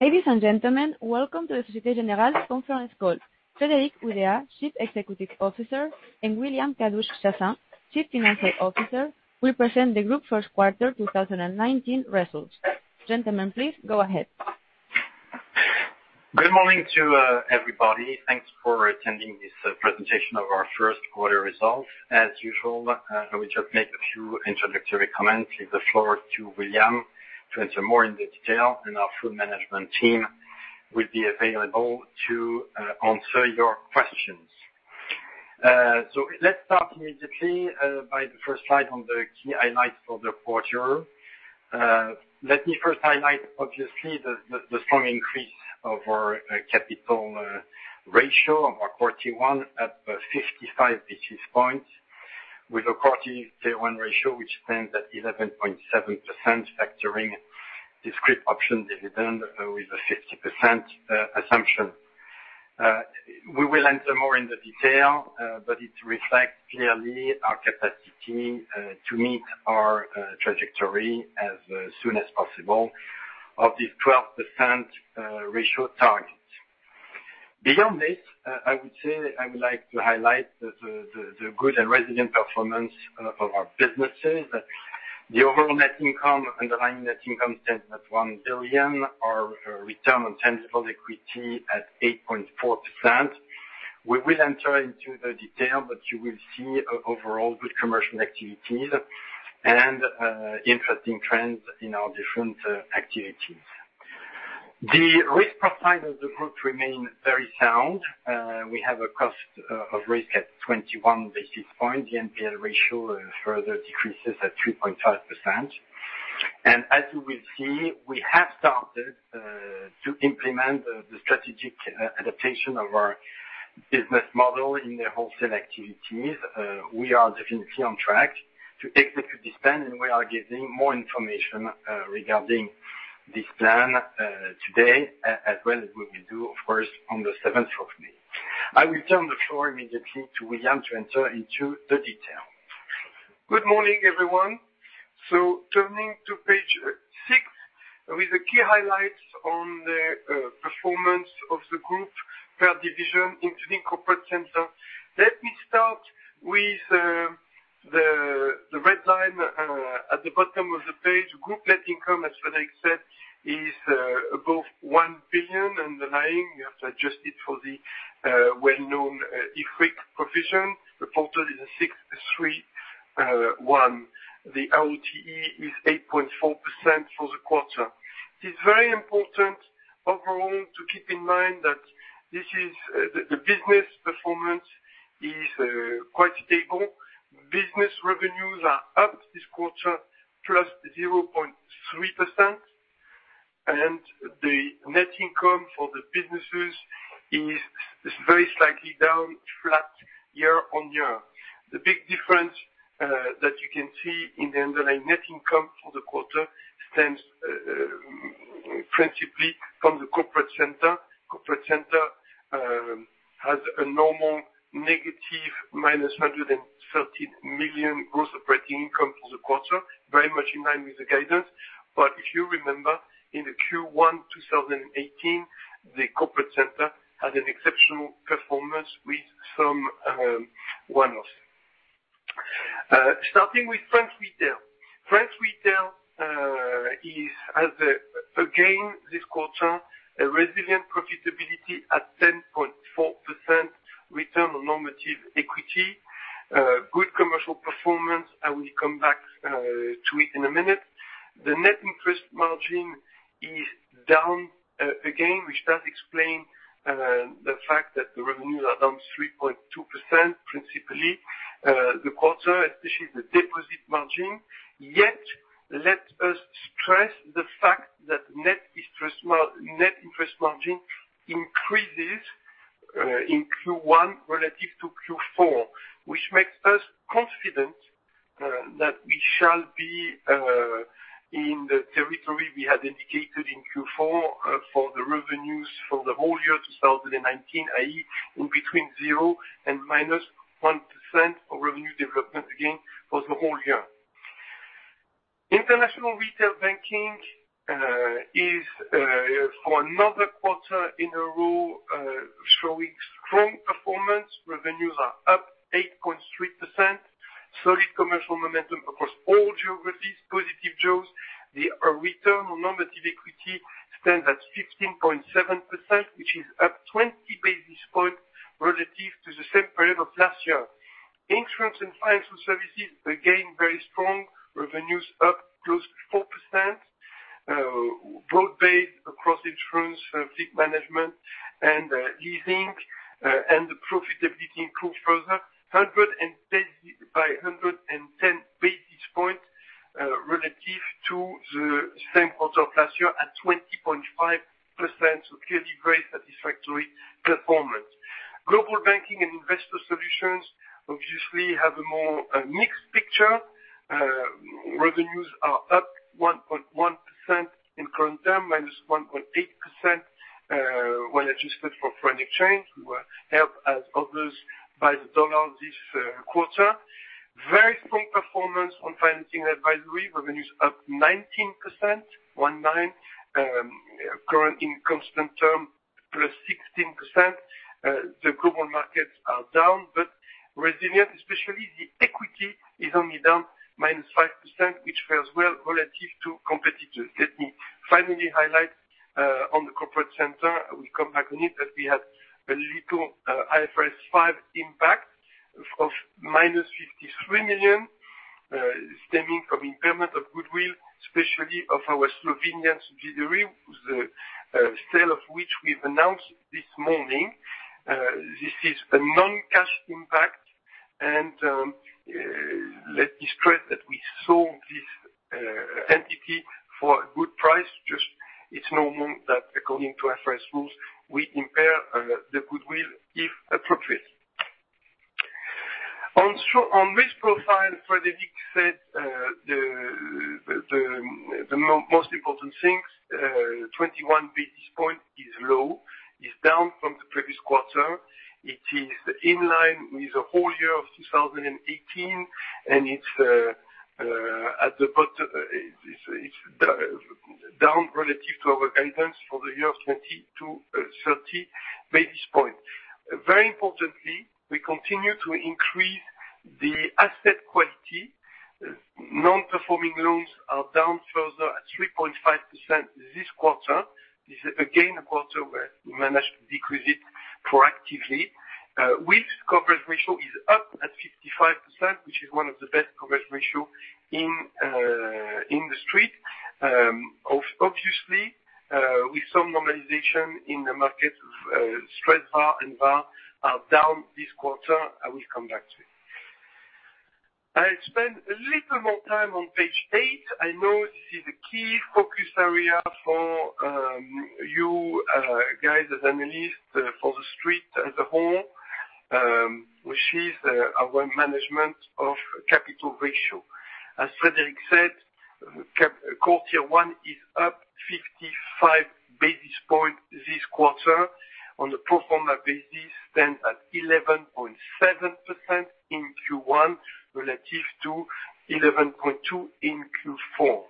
Ladies and gentlemen, welcome to the Société Générale conference call. Frédéric Oudéa, Chief Executive Officer, and William Kadouch-Chassaing, Chief Financial Officer, will present the group's first quarter 2019 results. Gentlemen, please go ahead. Good morning to everybody. Thanks for attending this presentation of our first quarter results. As usual, I will just make a few introductory comments, leave the floor to William to enter more into detail, and our full management team will be available to answer your questions. Let's start immediately by the first slide on the key highlights for the quarter. Let me first highlight, obviously, the strong increase of our capital ratio, our CET1, at 55 basis points, with a CET1 ratio which stands at 11.7%, factoring discrete option dividend with a 50% assumption. We will enter more into detail, but it reflects clearly our capacity to meet our trajectory as soon as possible of this 12% ratio target. Beyond this, I would like to highlight the good and resilient performance of our businesses. The overall net income, underlying net income stands at 1 billion, our return on tangible equity at 8.4%. We will enter into the detail, but you will see overall good commercial activities and interesting trends in our different activities. The risk profile of the group remains very sound. We have a cost of risk at 21 basis points. The NPL ratio further decreases at 3.5%. As you will see, we have started to implement the strategic adaptation of our business model in the wholesale activities. We are definitely on track to execute this plan, and we are giving more information regarding this plan today, as well as we will do, of course, on the 7th of May. I will turn the floor immediately to William to enter into the detail. Good morning, everyone. Turning to page six, with the key highlights on the performance of the group per division, including corporate center. Let me start with the red line at the bottom of the page. Group net income, as Frédéric said, is above 1 billion underlying. You have to adjust it for the well-known IFRIC provision. The total is at 631. The ROTE is 8.4% for the quarter. It's very important overall to keep in mind that the business performance is quite stable. Business revenues are up this quarter, +0.3%, and the net income for the businesses is very slightly down, flat year-over-year. The big difference that you can see in the underlying net income for the quarter stems principally from the corporate center. Corporate center has a normal negative minus 130 million gross operating income for the quarter, very much in line with the guidance. If you remember, in the Q1 2018, the corporate center had an exceptional performance with some one-offs. Starting with France Retail. France Retail has, again this quarter, a resilient profitability at 10.4% Return on Normative Equity. Good commercial performance. I will come back to it in a minute. The net interest margin is down again, which does explain the fact that the revenues are down 3.2%, principally the quarter, especially the deposit margin. Let us stress the fact that net interest margin increases in Q1 relative to Q4, which makes us confident that we shall be in the territory we had indicated in Q4 for the revenues for the whole year 2019, i.e., in between 0% and -1% of revenue development gain for the whole year. International Retail Banking is, for another quarter in a row, showing strong performance. Revenues are up 8.3%. Solid commercial momentum across all geographies, positive JOBS. The Return on Normative Equity stands at 15.7%, which is up 20 basis points relative to the same period of last year. Insurance and Financial Services, again, very strong. Revenues up close to 4%, broad-based across insurance, fleet management, and leasing, and the profitability improved further by 110 basis points relative to the same quarter last year at 20.5%. Clearly very satisfactory performance. Global Banking and Investor Solutions obviously have a more mixed picture. Revenues are up 1.1% in current term, minus 1.8% when adjusted for foreign exchange, we were helped as others by the USD this quarter. Very strong performance on Financing & Advisory, revenues up 19%, current in constant term, +16%. The global markets are down but resilient, especially the equity is only down -5%, which fares well relative to competitors. Let me finally highlight on the corporate center, we come back on it, that we had a little IFRS 5 impact of -53 million stemming from impairment of goodwill, especially of our Slovenian subsidiary, the sale of which we've announced this morning. This is a non-cash impact, and let me stress that we sold this entity for a good price. It's normal that according to IFRS rules, we impair the goodwill if appropriate. On risk profile, Frédéric said the most important things. 21 basis point is low, is down from the previous quarter. It is in line with the whole year of 2018, and it's down relative to our guidance for the year of 20 to 30 basis point. Very importantly, we continue to increase the asset quality. Non-performing loans are down further at 3.5% this quarter. This is again, a quarter where we managed to decrease it proactively. Risk coverage ratio is up at 55%, which is one of the best coverage ratio in the Street. Obviously, with some normalization in the market, stress VAR and VA are down this quarter. I will come back to it. I'll spend a little more time on page eight. I know this is a key focus area for you guys as analysts for the Street as a whole, which is our management of capital ratio. As Frédéric said, Core Tier 1 is up 55 basis points this quarter on a pro forma basis, stands at 11.7% in Q1 relative to 11.2% in Q4.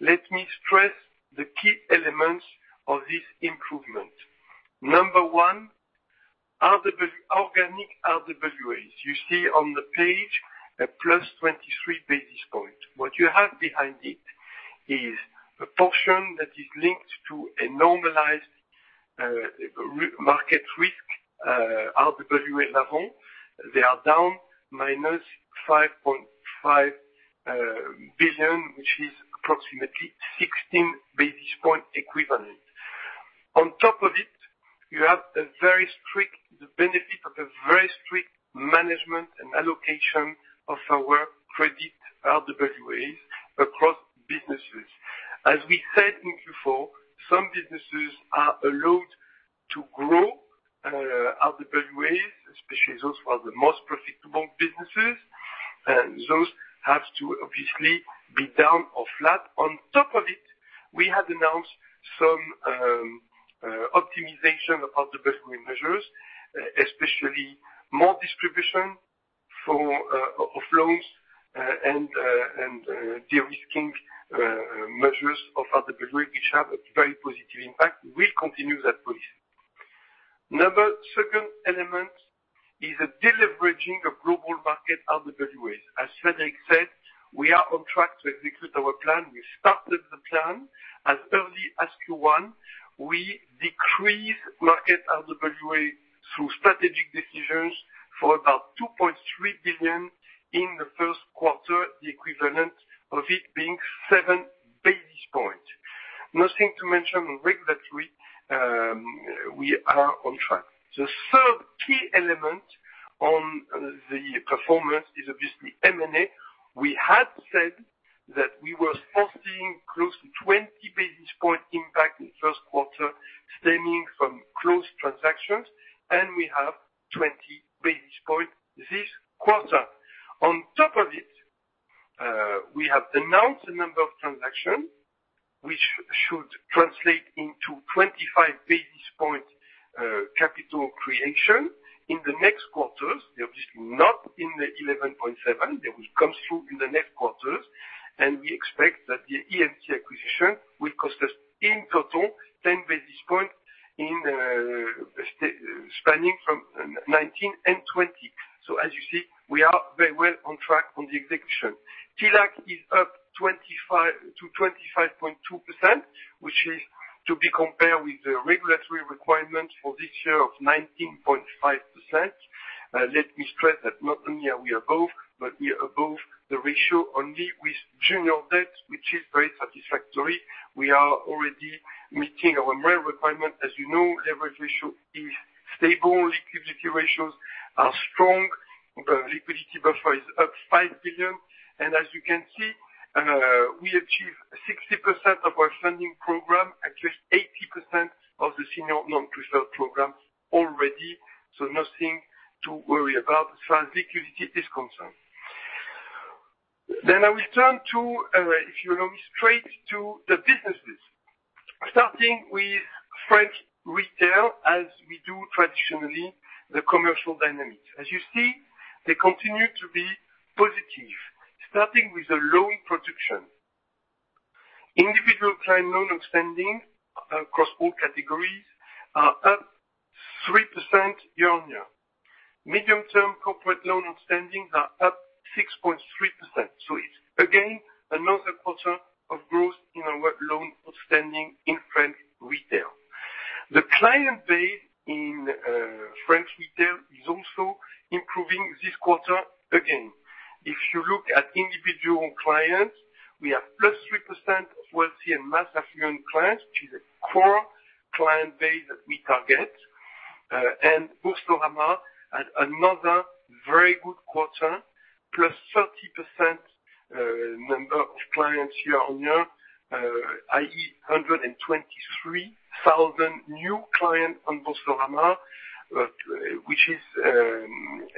Let me stress the key elements of this improvement. Number one, organic RWAs. You see on the page a plus 23 basis points. What you have behind it is a portion that is linked to a normalized market risk RWA level. They are down minus 5.5 billion, which is approximately 16 basis points equivalent. On top of it, you have the benefit of a very strict management and allocation of our credit RWAs across businesses. As we said in Q4, some businesses are allowed to grow RWAs, especially those who are the most profitable businesses, and those have to obviously be down or flat. On top of it, we have announced some optimization of RWA measures, especially more distribution of loans and de-risking measures of RWA, which have a very positive impact. We will continue that policy. Second element is a deleveraging of global market RWAs. As Frédéric said, we are on track to execute our plan. We started the plan as early as Q1. We decreased market RWA through strategic decisions for about 2.3 billion in the first quarter, the equivalent of it being seven basis points. Nothing to mention on regulatory, we are on track. The third key element on the performance is obviously M&A. We had said that we were forecasting close to 20 basis points impact in the first quarter stemming from closed transactions, and we have 20 basis points this quarter. On top of it, we have announced a number of transactions which should translate into 25 basis points capital creation in the next quarters. They are obviously not in the 11.7%. They will come through in the next quarters, and we expect that the EFG acquisition will cost us in total 10 basis points spanning from 2019 and 2020. As you see, we are very well on track on the execution. TLAC is up to 25.2%, which is to be compared with the regulatory requirement for this year of 19.5%. Let me stress that not only are we above, but we are above the ratio only with junior debt, which is very satisfactory. We are already meeting our MREL requirement. As you know, leverage ratio is stable. Liquidity ratios are strong. The liquidity buffer is up 5 billion. As you can see, we achieved 60% of our funding program and just 80% of the senior non-preferred program already, nothing to worry about as far as liquidity is concerned. I will turn to, if you allow me, straight to the businesses. Starting with French Retail, as we do traditionally, the commercial dynamics. As you see, they continue to be positive, starting with the loan production. Individual client loan outstanding across all categories are up 3% year-on-year. Medium-term corporate loan outstanding are up 6.3%. It is again, another quarter of growth in our loan outstanding in French Retail. The client base in French Retail is also improving this quarter again. If you look at individual clients, we have plus 3% of wealthy and mass affluent clients, which is a core client base that we target. Boursorama had another very good quarter, +30% number of clients year-over-year, i.e., 123,000 new clients on Boursorama, which is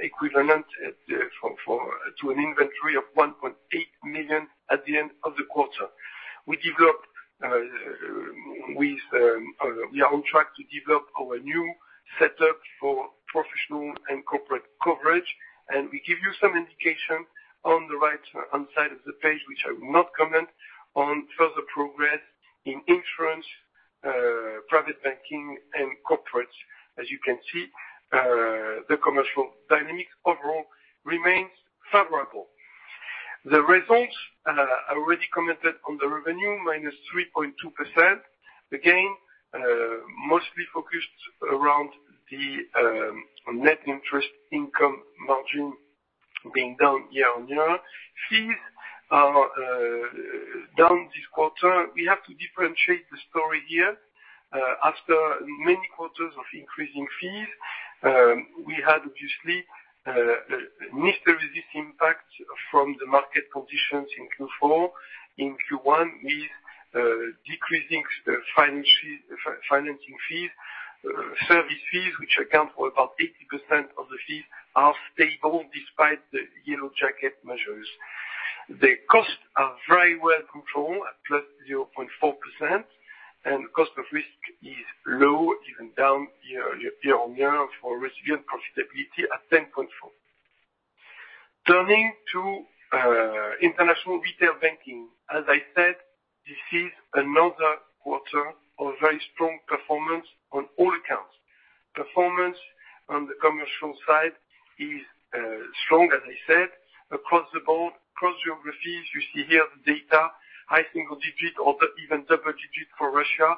equivalent to an inventory of 1.8 million at the end of the quarter. We are on track to develop our new setup for professional and corporate coverage, we give you some indication on the right-hand side of the page, which I will not comment on, further progress in insurance, private banking, and corporate. As you can see, the commercial dynamics overall remains favorable. The results, I already commented on the revenue, -3.2%, again, mostly focused around the net interest income margin being down year-over-year. Fees are down this quarter. We have to differentiate the story here. After many quarters of increasing fees, we had, obviously, a market impact from the market conditions in Q4. In Q1, with decreasing financing fees. Service fees, which account for about 80% of the fees, are stable despite the Gilets Jaunes measures. The costs are very well controlled, at +0.4%, and cost of risk is low, even down year-over-year for risk visibility at 10.4. Turning to international retail banking, as I said, this is another quarter of very strong performance on all accounts. Performance on the commercial side is strong, as I said, across the board, across geographies. You see here the data, high single digits or even double digits for Russia,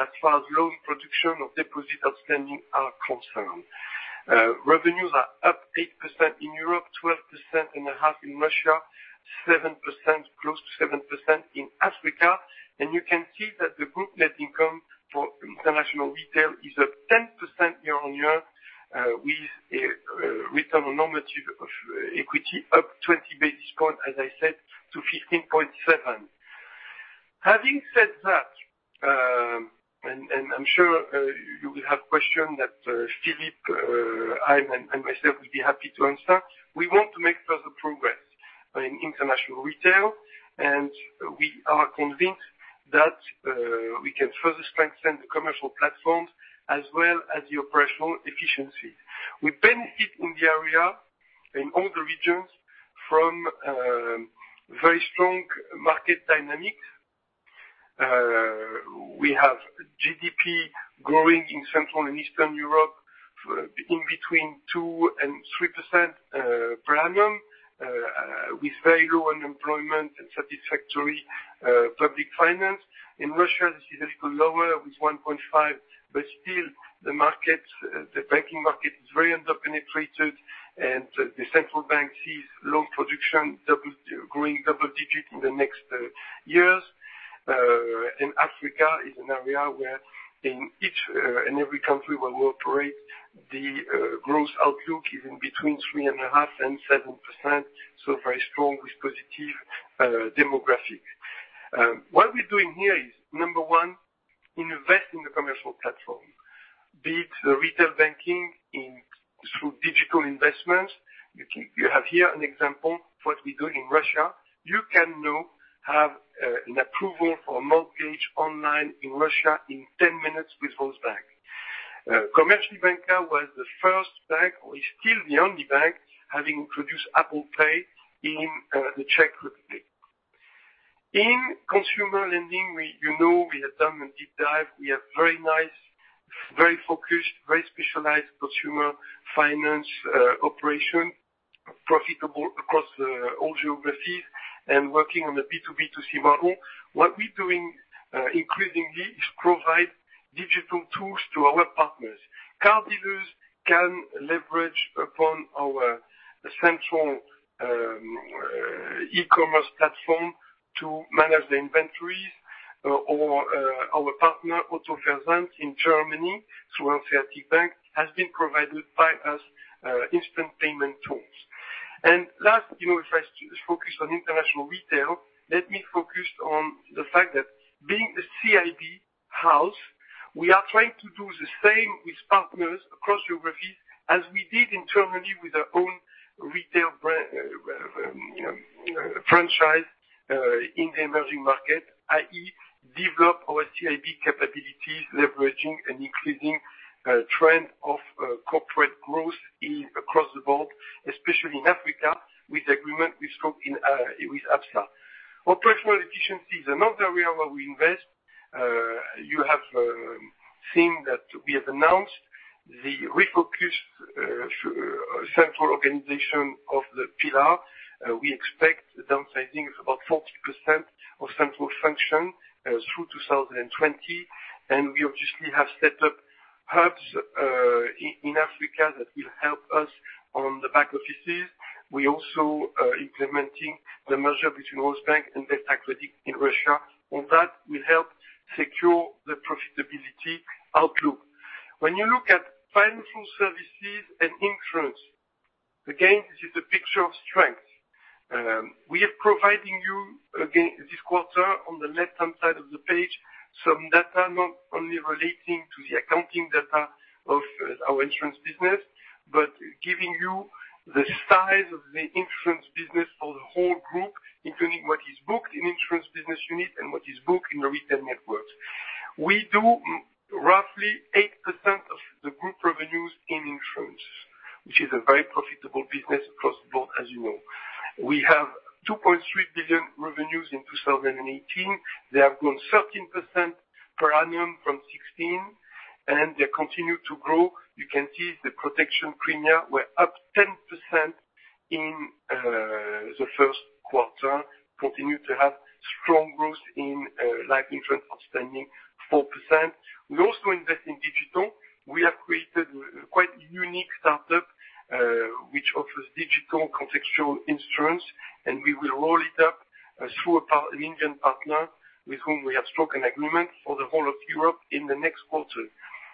as far as loan production of deposit outstanding are concerned. Revenues are up 8% in Europe, 12.5% in Russia, close to 7% in Africa. You can see that the group net income for international retail is up 10% year-over-year, with return on normative equity up 20 basis points, as I said, to 15.7%. Having said that, I'm sure you will have questions that Philippe, Ivan, and myself will be happy to answer. We want to make further progress in international retail, we are convinced that we can further strengthen the commercial platforms as well as the operational efficiency. We benefit in the area, in all the regions, from very strong market dynamics. We have GDP growing in Central and Eastern Europe between 2% and 3% per annum, with very low unemployment and satisfactory public finance. In Russia, this is a little lower with 1.5%, still, the banking market is very under-penetrated, and the central bank sees loan production growing double digits in the next years. Africa is an area where in each and every country where we operate, the growth outlook is between 3.5% and 7%, so very strong with positive demographics. What we're doing here is, number 1, invest in the commercial platform, be it retail banking through digital investments. You have here an example of what we do in Russia. You can now have an approval for a mortgage online in Russia in 10 minutes with VTB Bank. Commerzbank was the first bank, or is still the only bank, having introduced Apple Pay in the Czech Republic. In consumer lending, you know we have done a deep dive. We have very nice, very focused, very specialized consumer finance operation, profitable across all geographies and working on a B2B2C model. What we're doing increasingly is provide digital tools to our partners. Car dealers can leverage upon our central e-commerce platform to manage the inventories, or our partner, BDK in Germany, has been provided by us instant payment tools. Last, if I focus on international retail, let me focus on the fact that being a CIB house, we are trying to do the same with partners across geographies as we did internally with our own retail franchise in the emerging market, i.e., develop our CIB capabilities, leveraging an increasing trend of corporate growth across the board, especially in Africa, with agreement we struck with Absa. Operational efficiencies, another area where we invest. You have seen that we have announced the refocused central organization of the pillar. We expect the downsizing of about 40% of central function through 2020, and we obviously have set up hubs in Africa that will help us on the back offices. We're also implementing the merger between Rosbank and DeltaCredit in Russia. All that will help secure the profitability outlook. When you look at financial services and insurance, again, this is a picture of strength. We are providing you, again, this quarter, on the left-hand side of the page, some data not only relating to the accounting data of our insurance business, but giving you the size of the insurance business for the whole group, including what is booked in insurance business unit and what is booked in the retail networks. We do roughly 8% of the group revenues in insurance, which is a very profitable business across the board, as you know. We have 2.3 billion revenues in 2018. They have grown 13% per annum from 2016, and they continue to grow. You can see the protection premia were up 10% in the first quarter, continue to have strong growth in life insurance, up 24%. We also invest in digital. We have created a quite unique startup, which offers digital contextual insurance, and we will roll it out through an Indian partner with whom we have struck an agreement for the whole of Europe in the next quarter.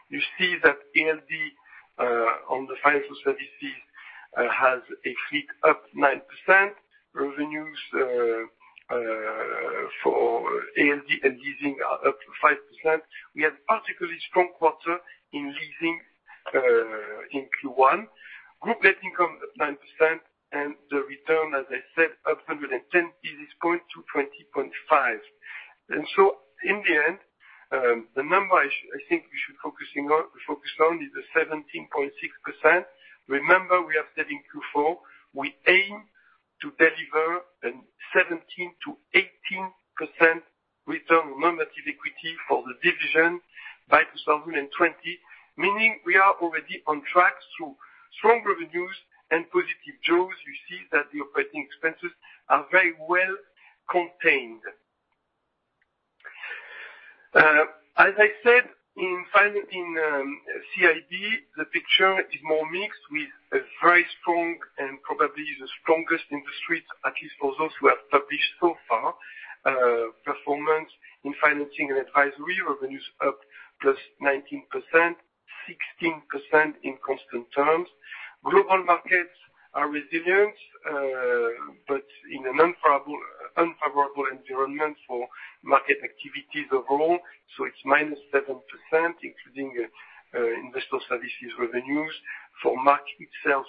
You see that ALD on the financial services has a FIC up 9%. Revenues for ALD and leasing are up 5%. We had a particularly strong quarter in leasing in Q1. Group net income up 9%, and the return, as I said, up 110 basis points to 20.5%. So in the end, the number I think we should focus on is the 17.6%. Remember, we have said in Q4, we aim to deliver a 17%-18% return on normative equity for the division by 2020, meaning we are already on track through strong revenues and positive jaws. You see that the operating expenses are very well contained. As I said, in CIB, the picture is more mixed, with a very strong, and probably the strongest in the Street, at least for those who have published so far, performance in financing and advisory revenues up +19%, 16% in constant terms. Global markets are resilient, but in an unfavorable environment for market activities overall, so it's -7%, including investor services revenues. For market itself,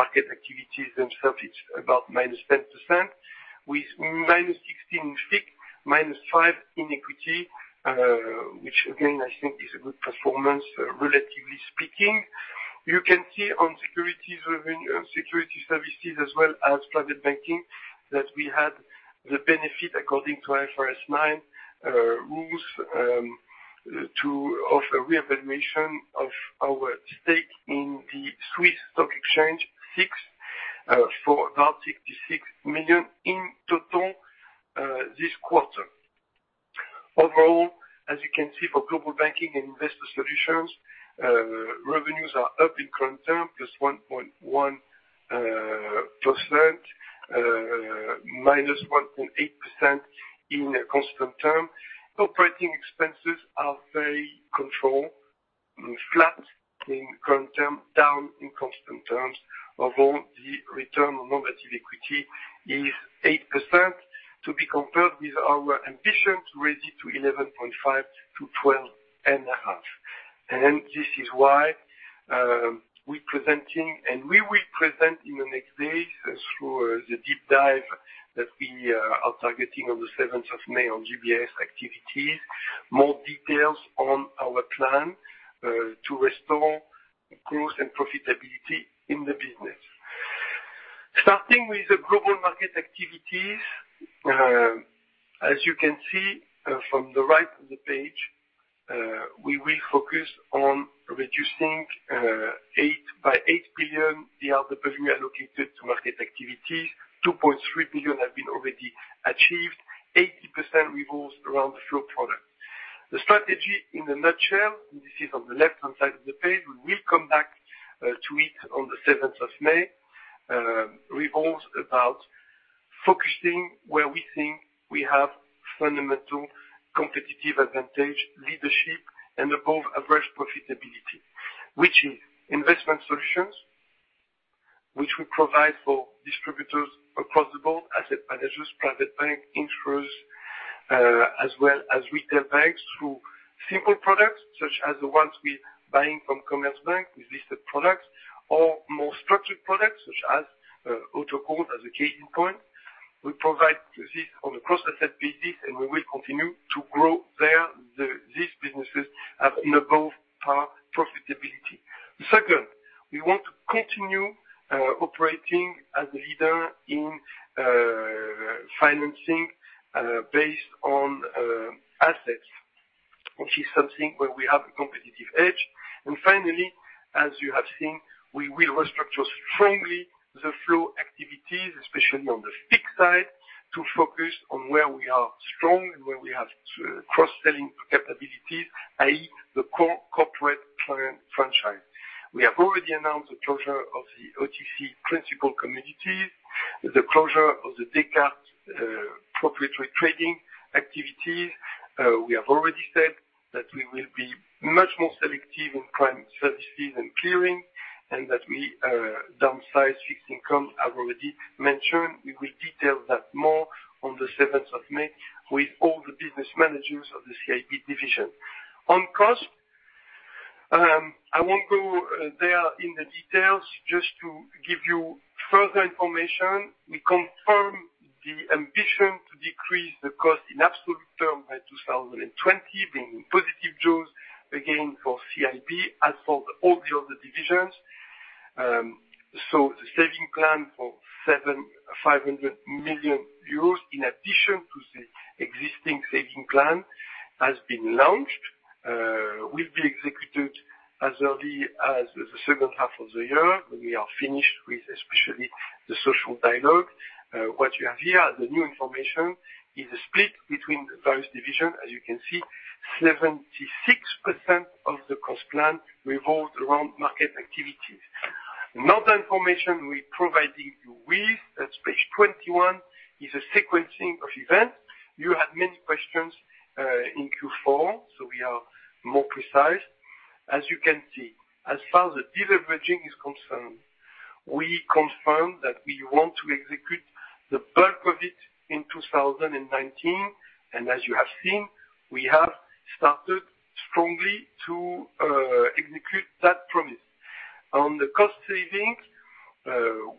market activities themselves, it's about -10%, with -16% in FIC, -5% in equity, which again, I think is a good performance, relatively speaking. You can see on security services, as well as private banking, that we had the benefit, according to IFRS 9 rules, to offer reevaluation of our stake in the Swiss stock exchange, SIX, for about 66 million in total this quarter. Overall, as you can see, for Global Banking and Investor Solutions, revenues are up in current term, +1.1%, -1.8% in constant term. Operating expenses are very controlled, flat in current term, down in constant terms. Overall, the return on normative equity is 8%, to be compared with our ambition to raise it to 11.5%-12.5%. This is why we're presenting, and we will present in the next days through the deep dive that we are targeting on the 7th of May on GBIS activities, more details on our plan to restore growth and profitability in the business. Starting with the global market activities, as you can see from the right of the page, we will focus on reducing by 8 billion the other revenue allocated to market activities. 2.3 billion have been already achieved. 80% revolves around the flow products. The strategy in a nutshell, this is on the left-hand side of the page, we will come back to it on the 7th of May, revolves about focusing where we think we have fundamental competitive advantage, leadership, and above-average profitability, which is investment solutions. We provide for distributors across the board, asset managers, private bank insurers, as well as retail banks through simple products such as the ones we're buying from Commerzbank, with listed products or more structured products such as Autocall as a case in point. We provide this on a cross-asset basis, and we will continue to grow these businesses at an above-par profitability. Second, we want to continue operating as a leader in financing based on assets, which is something where we have a competitive edge. Finally, as you have seen, we will restructure strongly the flow activities, especially on the FICC side, to focus on where we are strong and where we have cross-selling capabilities, i.e., the corporate franchise. We have already announced the closure of the OTC principal commodities, the closure of the Descartes proprietary trading activities. We have already said that we will be much more selective in prime services and clearing, and that we downsize fixed income, I've already mentioned. We will detail that more on the 7th of May with all the business managers of the CIB division. On cost, I won't go there in the details. Just to give you further information, we confirm the ambition to decrease the cost in absolute terms by 2020, bringing positive jaws again for CIB as for all the other divisions. The saving plan for 7,500 million euros, in addition to the existing saving plan, has been launched, will be executed as early as the second half of the year, when we are finished with, especially, the social dialogue. What you have here, the new information, is a split between the various divisions. As you can see, 76% of the cost plan revolved around market activities. Another information we're providing you with at page 21 is a sequencing of events. You had many questions in Q4, we are more precise. As you can see, as far as the deleveraging is concerned, we confirm that we want to execute the bulk of it in 2019, as you have seen, we have started strongly to execute that promise. On the cost savings,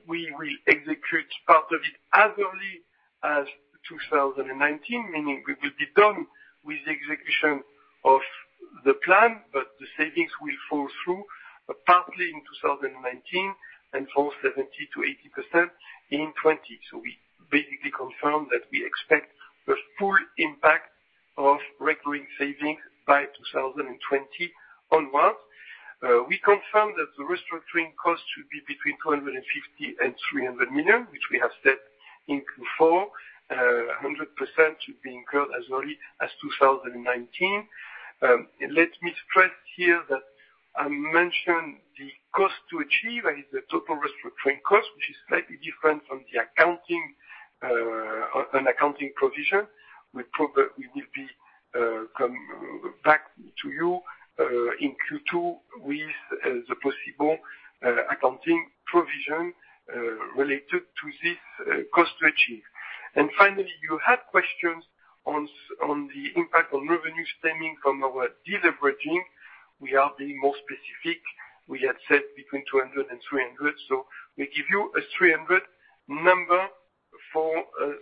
we will execute part of it as early as 2019, meaning we will be done with the execution of the plan, the savings will fall through, partly in 2019 and for 70%-80% in 2020. We basically confirm that we expect the full impact of recurring savings by 2020 onwards. We confirm that the restructuring cost should be between 250 million and 300 million, which we have said in Q4, 100% should be incurred as early as 2019. Let me stress here that I mentioned the cost to achieve is the total restructuring cost, which is slightly different from an accounting provision. We will be coming back to you, in Q2 with the possible accounting provision, related to this cost to achieve. Finally, you had questions on the impact on revenue stemming from our deleveraging. We are being more specific. We had said between 200 and 300, we give you a 300 number for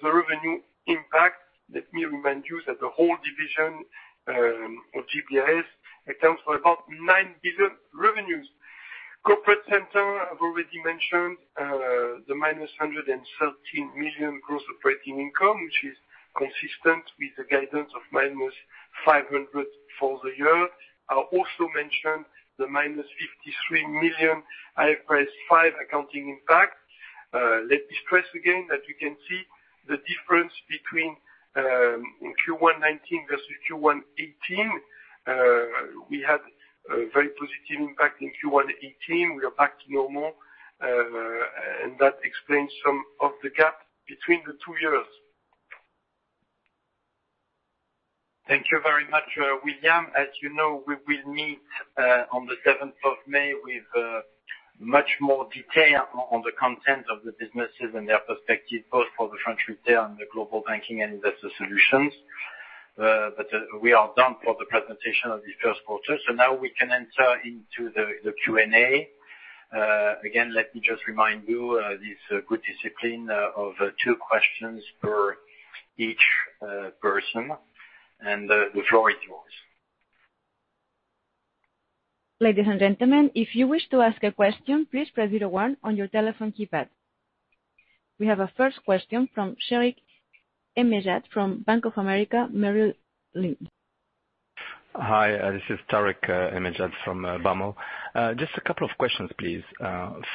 the revenue impact. Let me remind you that the whole division, or GPAS, accounts for about 9 billion revenues. Corporate Center, I have already mentioned, the minus 113 million gross operating income, which is consistent with the guidance of minus 500 for the year. I will also mention the minus 53 million IFRS 5 accounting impact. Let me stress again that you can see the difference between Q1 2019 versus Q1 2018. We had a very positive impact in Q1 2018. We are back to normal, that explains some of the gap between the two years. Thank you very much, William. As you know, we will meet on the seventh of May with much more detail on the content of the businesses and their perspective, both for the French Retail and the Global Banking & Investor Solutions. We are done for the presentation of the first quarter. Now we can enter into the Q&A. Again, let me just remind you, this good discipline of two questions per each person, the floor is yours. Ladies and gentlemen, if you wish to ask a question, please press 01 on your telephone keypad. We have our first question from Tarik El Mejjad from Bank of America Merrill Lynch. Hi, this is Tarik El Mejjad from BAML. Just a couple of questions, please.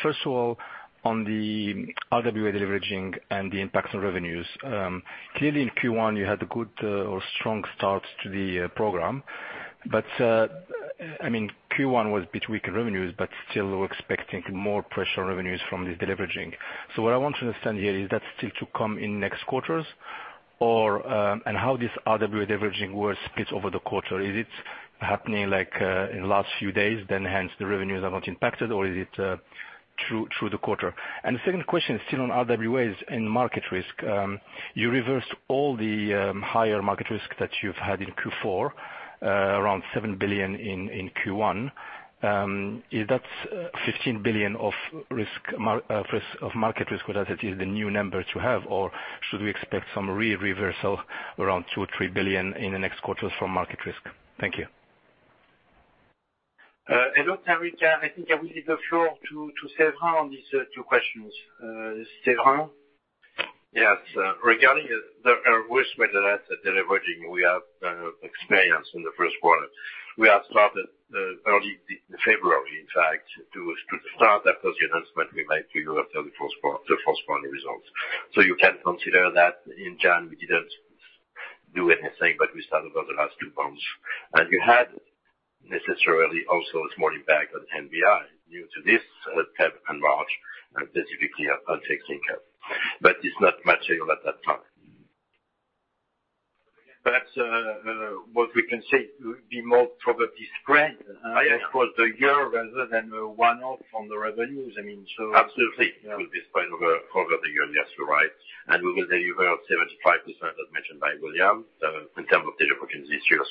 First of all, on the RWA deleveraging and the impacts on revenues. Clearly, in Q1, you had a good or strong start to the program, Q1 was a bit weak in revenues, still we are expecting more pressure on revenues from this deleveraging. What I want to understand here is that still to come in next quarters? And how this RWA deleveraging works splits over the quarter. Is it happening in the last few days, hence the revenues are not impacted or is it through the quarter? The second question is still on RWAs in market risk. You reversed all the higher market risk that you have had in Q4, around 7 billion in Q1. Is that 15 billion of market risk, whether that is the new number to have or should we expect some re-reversal around 2 billion or 3 billion in the next quarters from market risk? Thank you. Hello, Tarik El Mejjad. I think I will leave the floor to Séverin on these two questions. Séverin? Yes. Regarding the risk-weighted assets deleveraging we have experienced in the first quarter, we have started early February, in fact, to start after the announcement we made to you after the first quarter results. You can consider that in January we did not do anything, but we started over the last two months. We had necessarily also a small impact on NBI new to this February and March, specifically on net income. It is not material at that time. Perhaps what we can say will be more probably spread- Yes across the year rather than a one-off on the revenues. I mean, so- Absolutely. It will be spread over the year. Yes, you're right. We will deliver 75%, as mentioned by William, in terms of delivery this year.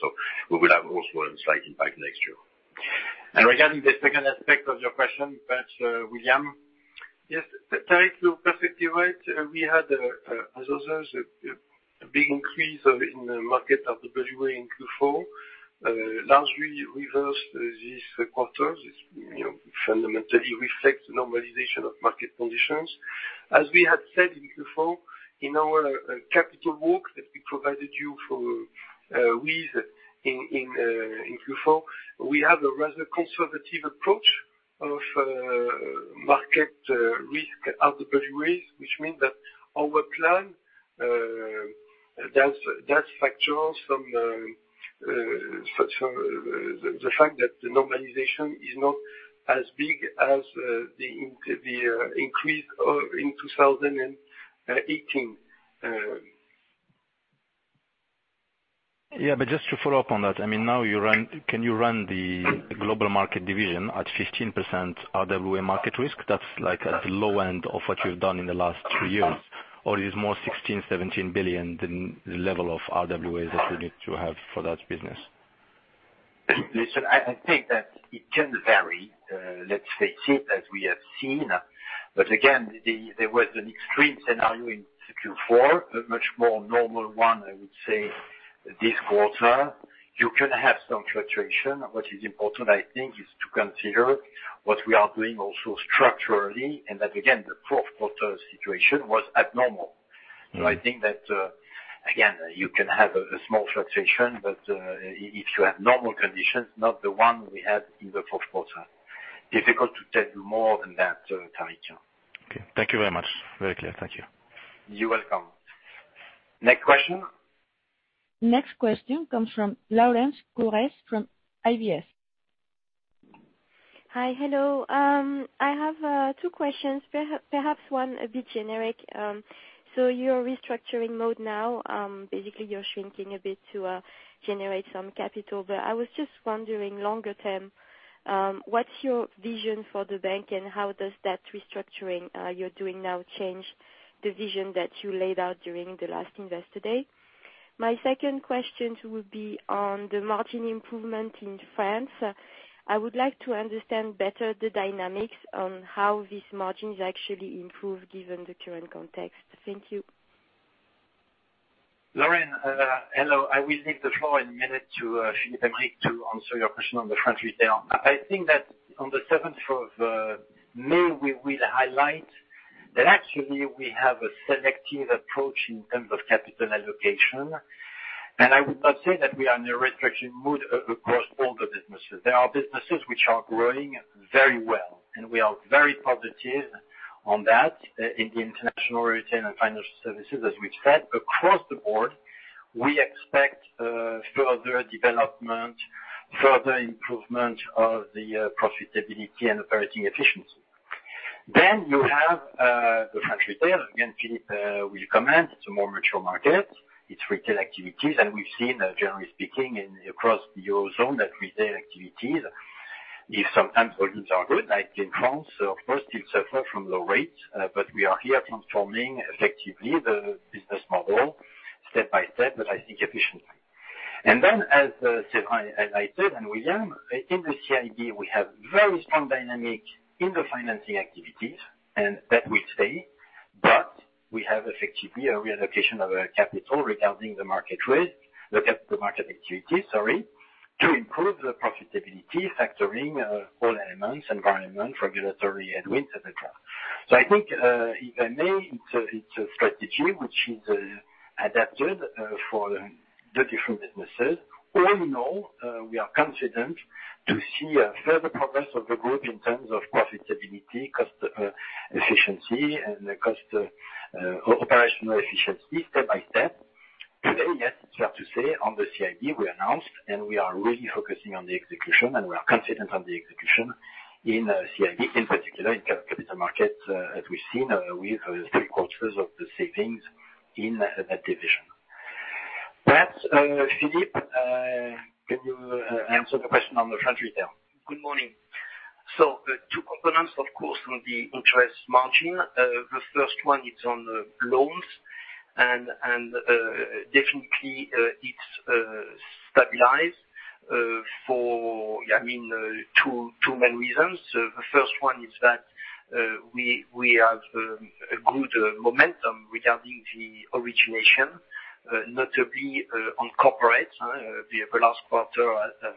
We will have also a slight impact next year. Regarding the second aspect of your question, perhaps William. Yes, Tarik, you're perfectly right. We had, as others, a big increase in the market of RWA in Q4, largely reversed this quarter. This fundamentally reflects normalization of market conditions. As we had said in Q4, in our capital book that we provided you with in Q4, we have a rather conservative approach of market risk RWAs, which means that our plan does factor the fact that the normalization is not as big as the increase in 2018. Just to follow up on that, can you run the Global Markets division at 15% RWA market risk? That's like at the low end of what you've done in the last three years. Is more 16 billion, 17 billion the level of RWAs that you need to have for that business? Listen, I think that it can vary. Let's face it, as we have seen. Again, there was an extreme scenario in Q4, a much more normal one, I would say, this quarter. You can have some fluctuation. What is important, I think, is to consider what we are doing also structurally, and that, again, the fourth quarter situation was abnormal. I think that, again, you can have a small fluctuation, if you have normal conditions, not the one we had in the fourth quarter. Difficult to tell you more than that, Tarik. Okay. Thank you very much. Very clear. Thank you. You're welcome. Next question. Next question comes from Laurence Coresse from IBFS. Hi. Hello. I have two questions, perhaps one a bit generic. You're in restructuring mode now. Basically, you're shrinking a bit to generate some capital. I was just wondering longer term, what's your vision for the bank, and how does that restructuring you're doing now change the vision that you laid out during the last investor day? My second question would be on the margin improvement in France. I would like to understand better the dynamics on how these margins actually improve given the current context. Thank you. Laurence, hello. I will leave the floor in a minute to Philippe Heim to answer your question on the French retail. I think that on the 7th of May, we will highlight that actually we have a selective approach in terms of capital allocation. I would not say that we are in a restriction mood across all the businesses. There are businesses which are growing very well, and we are very positive on that in the international retail and financial services, as we've said. Across the board, we expect further development, further improvement of the profitability and operating efficiency. You have the French retail. Again, Philippe will comment. It's a more mature market. It's retail activities, and we've seen, generally speaking, across the Eurozone, that retail activities, if sometimes volumes are good, like in France, of course, still suffer from low rates. We are here transforming effectively the business model step by step, but I think efficiently. As Séverin highlighted, and William, in the CIB, we have very strong dynamic in the financing activities, and that will stay. We have effectively a reallocation of our capital regarding the market risk, the capital market activity, sorry, to improve the profitability, factoring all elements, environment, regulatory headwinds, et cetera. I think, if I may, it's a strategy which is adapted for the different businesses. All in all, we are confident to see a further progress of the group in terms of profitability, cost efficiency, and operational efficiency step by step. Today, yes, fair to say on the CIB we announced, and we are really focusing on the execution, and we are confident on the execution in CIB, in particular in capital markets, as we've seen with three-quarters of the savings in that division. Perhaps, Philippe, can you answer the question on the French retail? Good morning. Two components, of course, on the interest margin. The first one is on loans, and definitely it's stabilized for 2 main reasons. The first one is that we have a good momentum regarding the origination, notably on corporate. The last quarter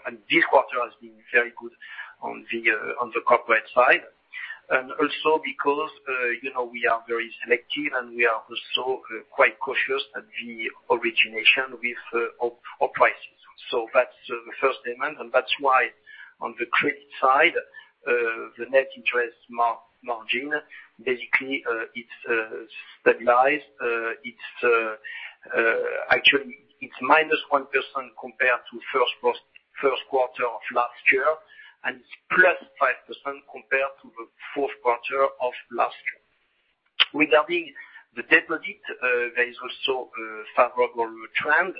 and this quarter has been very good on the corporate side. Also because we are very selective, and we are also quite cautious at the origination with our prices. That's the first element, and that's why on the credit side, the net interest margin, basically, it's stabilized. Actually, it's -1% compared to first quarter of last year, and it's +5% compared to the fourth quarter of last year. Regarding the deposit, there is also a favorable trend.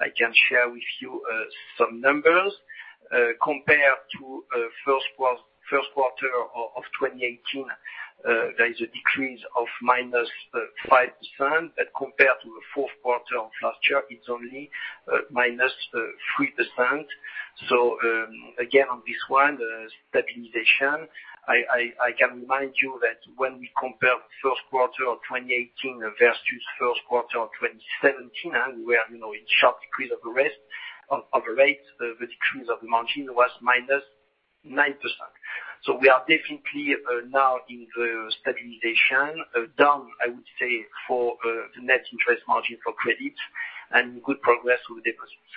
I can share with you some numbers. Compared to first quarter of 2018, there is a decrease of -5%, but compared to the fourth quarter of last year, it is only -3%. Again, on this one, stabilization. I can remind you that when we compare first quarter of 2018 versus first quarter of 2017, and we are in sharp decrease of the rates, the decrease of the margin was -9%. We are definitely now in the stabilization, done, I would say, for the net interest margin for credit and good progress with deposits.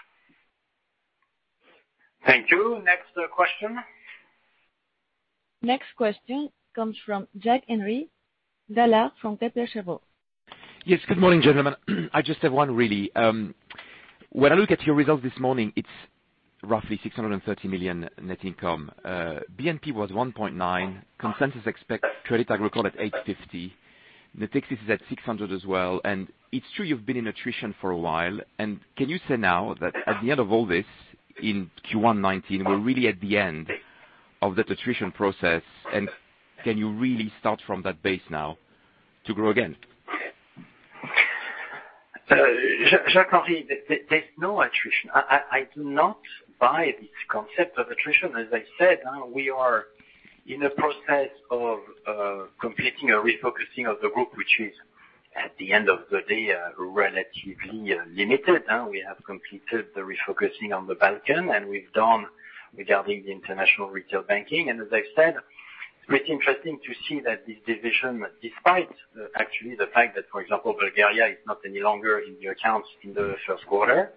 Thank you. Next question. Next question comes from Jacques-Henri Gaulard from BPCE. Yes. Good morning, gentlemen. I just have one really. When I look at your results this morning, it is roughly 630 million net income. BNP was 1.9 billion. Consensus expect Crédit Agricole at 850 million. Natixis is at 600 million as well. It is true you have been in attrition for a while, can you say now that at the end of all this, in Q1 2019, we are really at the end of that attrition process? Can you really start from that base now to grow again? Jacques-Henri, there's no attrition. I do not buy this concept of attrition. As I said, we are in a process of completing a refocusing of the group, which is, at the end of the day, relatively limited. We have completed the refocusing on the Balkans, and we've done regarding the international retail banking. As I said, it's quite interesting to see that this division, despite actually the fact that, for example, Bulgaria is not any longer in the accounts in the first quarter,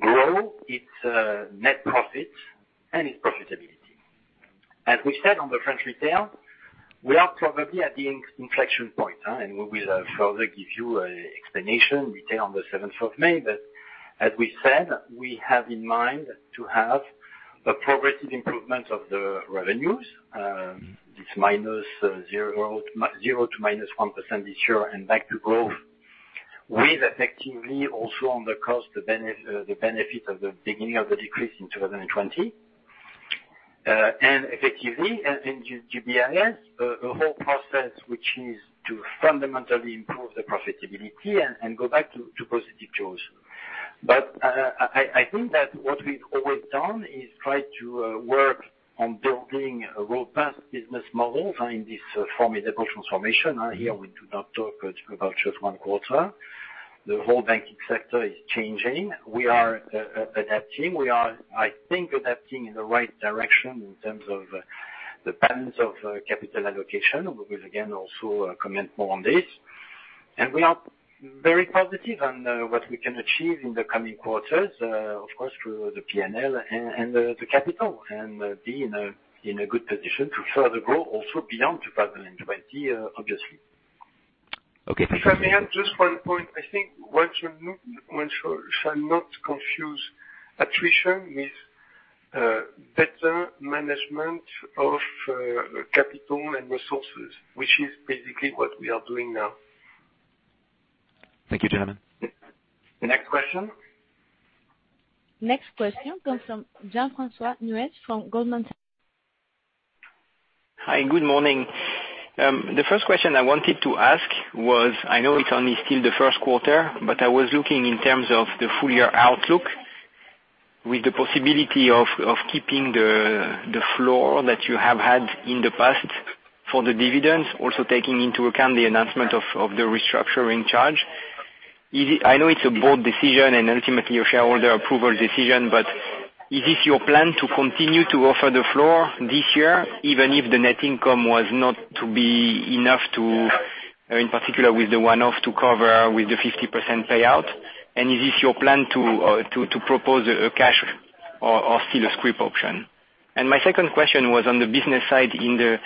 grow its net profit and its profitability. As we said on the French retail, we are probably at the inflection point, and we will further give you an explanation detail on the seventh of May. As we said, we have in mind to have a progressive improvement of the revenues. It's 0 to -1% this year and back to growth, with effectively also on the cost, the benefit of the beginning of the decrease in 2020. Effectively, in GBIS, a whole process which is to fundamentally improve the profitability and go back to positive jaws. I think that what we've always done is try to work on building a robust business model in this formidable transformation. Here we do not talk about just one quarter. The whole banking sector is changing. We are adapting. We are, I think, adapting in the right direction in terms of the patterns of capital allocation. We will, again, also comment more on this. We are very positive on what we can achieve in the coming quarters, of course, through the P&L and the capital, and be in a good position to further grow also beyond 2020, obviously. Okay. If I may add just one point. I think one shall not confuse attrition with better management of capital and resources, which is basically what we are doing now. Thank you, gentlemen. Next question. Next question comes from Jean-François Neuez from Goldman Sachs. Hi, good morning. The first question I wanted to ask was, I know it's only still the first quarter, but I was looking in terms of the full-year outlook with the possibility of keeping the floor that you have had in the past for the dividends, also taking into account the announcement of the restructuring charge. I know it's a bold decision and ultimately a shareholder approval decision, is this your plan to continue to offer the floor this year, even if the net income was not to be enough to, in particular with the one-off, to cover with the 50% payout? Is this your plan to propose a cash or still a scrip option? My second question was on the business side in the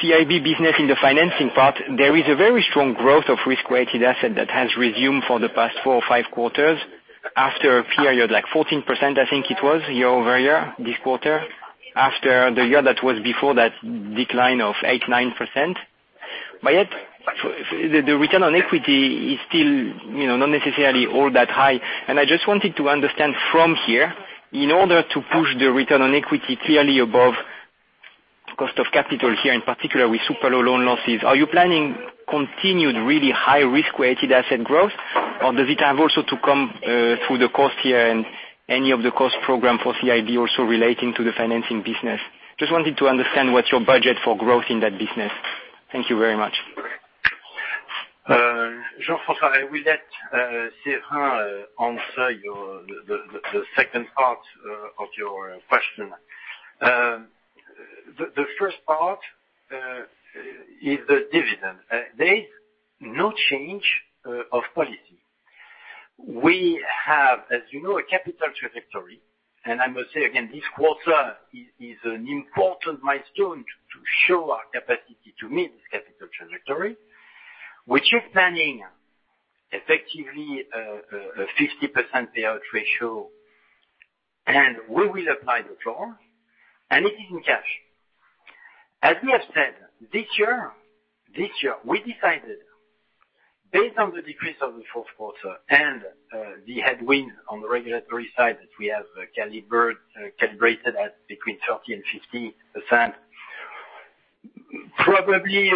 CIB business in the financing part, there is a very strong growth of risk-weighted asset that has resumed for the past four or five quarters after a period like 14%, I think it was, year-over-year, this quarter, after the year that was before that decline of 8%, 9%. Yet, the return on equity is still not necessarily all that high. I just wanted to understand from here, in order to push the return on equity clearly above cost of capital here, in particular with super low loan losses, are you planning continued really high risk-weighted asset growth? Or does it have also to come through the cost here and any of the cost program for CIB also relating to the financing business? Just wanted to understand what's your budget for growth in that business. Thank you very much. Jean-François, I will let Séverin answer the second part of your question. The first part is the dividend. There's no change of policy. We have, as you know, a capital trajectory. I must say again, this quarter is an important milestone to show our capacity to meet this capital trajectory, which is planning effectively a 50% payout ratio. We will apply the floor, and it is in cash. As we have said, this year, we decided based on the decrease of the fourth quarter and the headwind on the regulatory side that we have calibrated at between 30% and 50%, probably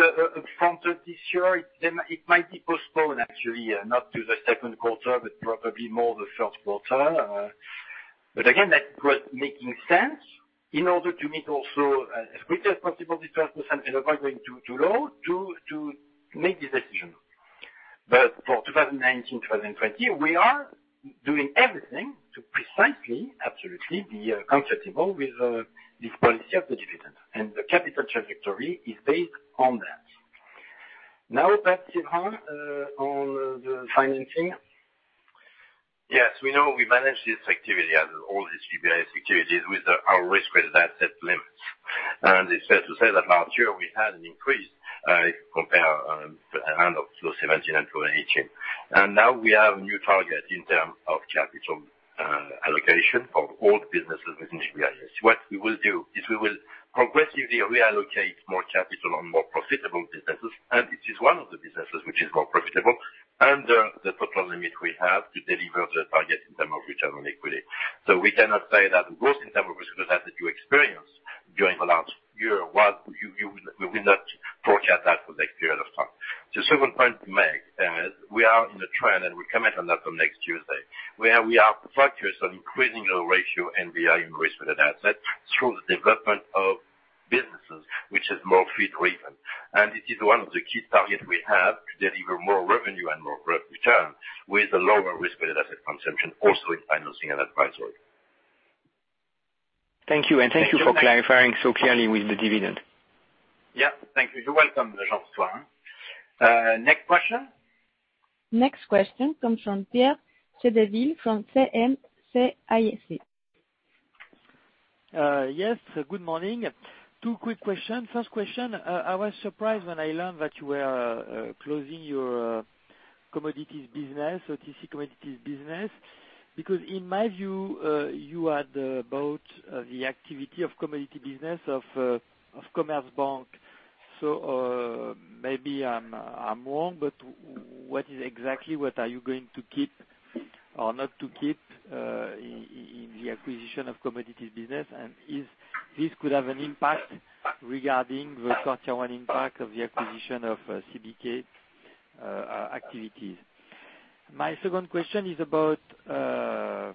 from this year, it might be postponed actually, not to the second quarter, but probably more the first quarter. Again, that was making sense in order to meet also as quickly as possible, the 12% and avoid going too low to make this decision. For 2019, 2020, we are doing everything to precisely, absolutely be comfortable with this policy of the dividend, and the capital trajectory is based on that. Now back to Séverin on the financing. Yes, we know we manage this activity as all these GBIS activities with our risk-weighted asset limits. It's fair to say that last year we had an increase if you compare end of 2017 and 2018. Now we have a new target in terms of capital allocation for all businesses within GBIS. What we will do is we will progressively reallocate more capital on more profitable businesses, and it is one of the businesses which is more profitable under the total limit we have to deliver the target in terms of return on equity. We cannot say that growth in terms of risk that you experience during the last year. We will not forecast that for next period of time. The second point to make, we are in a trend. We comment on that from next Tuesday, where we are focused on increasing our ratio NBI in risk-weighted asset through the development of businesses, which is more fee-driven. It is one of the key targets we have to deliver more revenue and more return with a lower risk-weighted asset consumption, also in Financing & Advisory. Thank you, and thank you for clarifying so clearly with the dividend. Yeah. Thank you. You're welcome, Jean-François. Next question? Next question comes from Pierre Chedeville from CM-CIC. Yes. Good morning. Two quick questions. First question, I was surprised when I learned that you were closing your OTC commodities business, because in my view, you had bought the activity of commodity business of Commerzbank. Maybe I'm wrong, but what exactly are you going to keep or not to keep in the acquisition of commodities business? If this could have an impact regarding the quarter one impact of the acquisition of Commerzbank activities. My second question is about the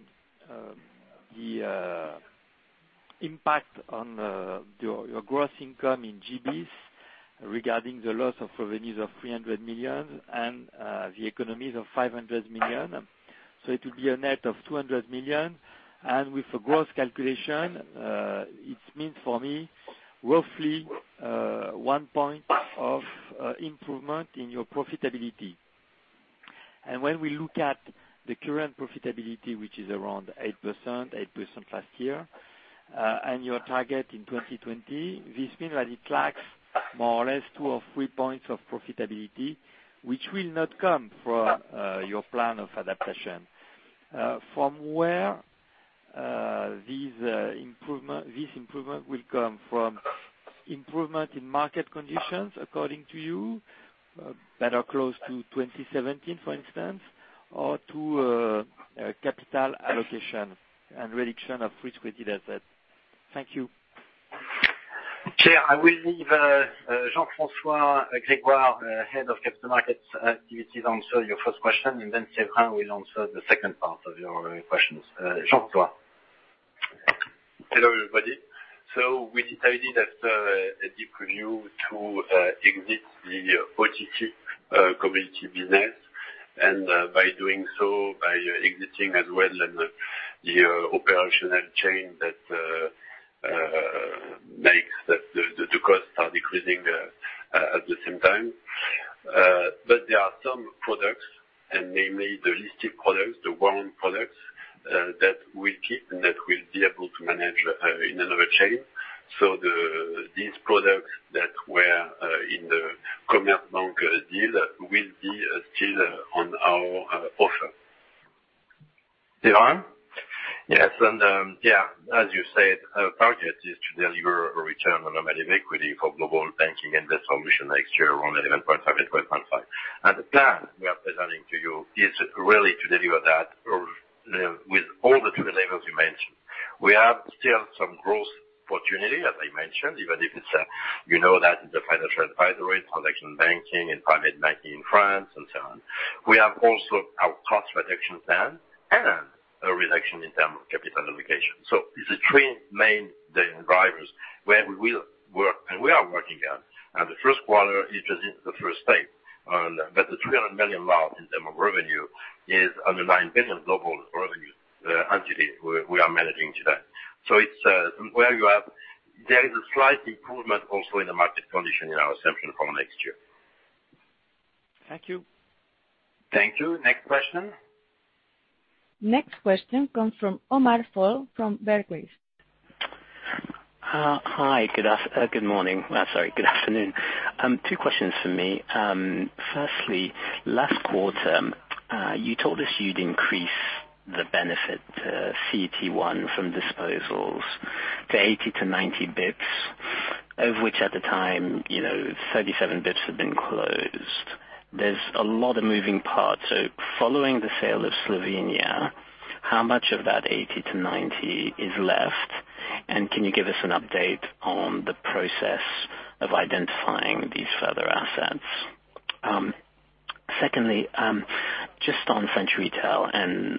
impact on your gross income in GBIS regarding the loss of revenues of 300 million and the economies of 500 million. It will be a net of 200 million. With a gross calculation, it means for me, roughly one point of improvement in your profitability. When we look at the current profitability, which is around 8%, 8% last year, and your target in 2020, this means that it lacks more or less two or three points of profitability, which will not come from your plan of adaptation. From where this improvement will come from, improvement in market conditions, according to you, better close to 2017, for instance, or to capital allocation and reduction of risk-weighted asset. Thank you. Pierre, I will leave Jean-François Grégoire, Head of Global Markets, answer your first question, and then Séverin will answer the second part of your questions. Jean-François. Hello, everybody. We decided after a deep review to exit the OTC commodity business, and by doing so, by exiting as well the operational chain that makes the costs are decreasing at the same time. There are some products, namely the listed products, the warm products, that we keep and that we'll be able to manage in another chain. These products that were in the Commerzbank deal will be still on our offer. Jean. Yes. As you said, our target is to deliver a return on equity for Global Banking and Investor Solutions next year around 11.5. The plan we are presenting to you is really to deliver that with all the 3 levels you mentioned. We have still some growth opportunity, as I mentioned, even if it's, you know that the financial advisory, transaction banking, and private banking in France, and so on. We have also our cost reduction plan and a reduction in term of capital allocation. It's the 3 main drivers where we will work, and we are working on. The first quarter is just the first step. The 300 million mark in term of revenue is underlying billion global revenue entity, we are managing today. There is a slight improvement also in the market condition in our assumption for next year. Thank you. Thank you. Next question. Next question comes from Omar Fall from Barclays. Hi, good morning. Sorry, good afternoon. Two questions from me. Firstly, last quarter, you told us you'd increase the benefit to CET1 from disposals to 80 to 90 basis points, of which at the time, 37 basis points had been closed. There's a lot of moving parts. Following the sale of Slovenia, how much of that 80 to 90 is left? Can you give us an update on the process of identifying these further assets? Secondly, just on French Retail,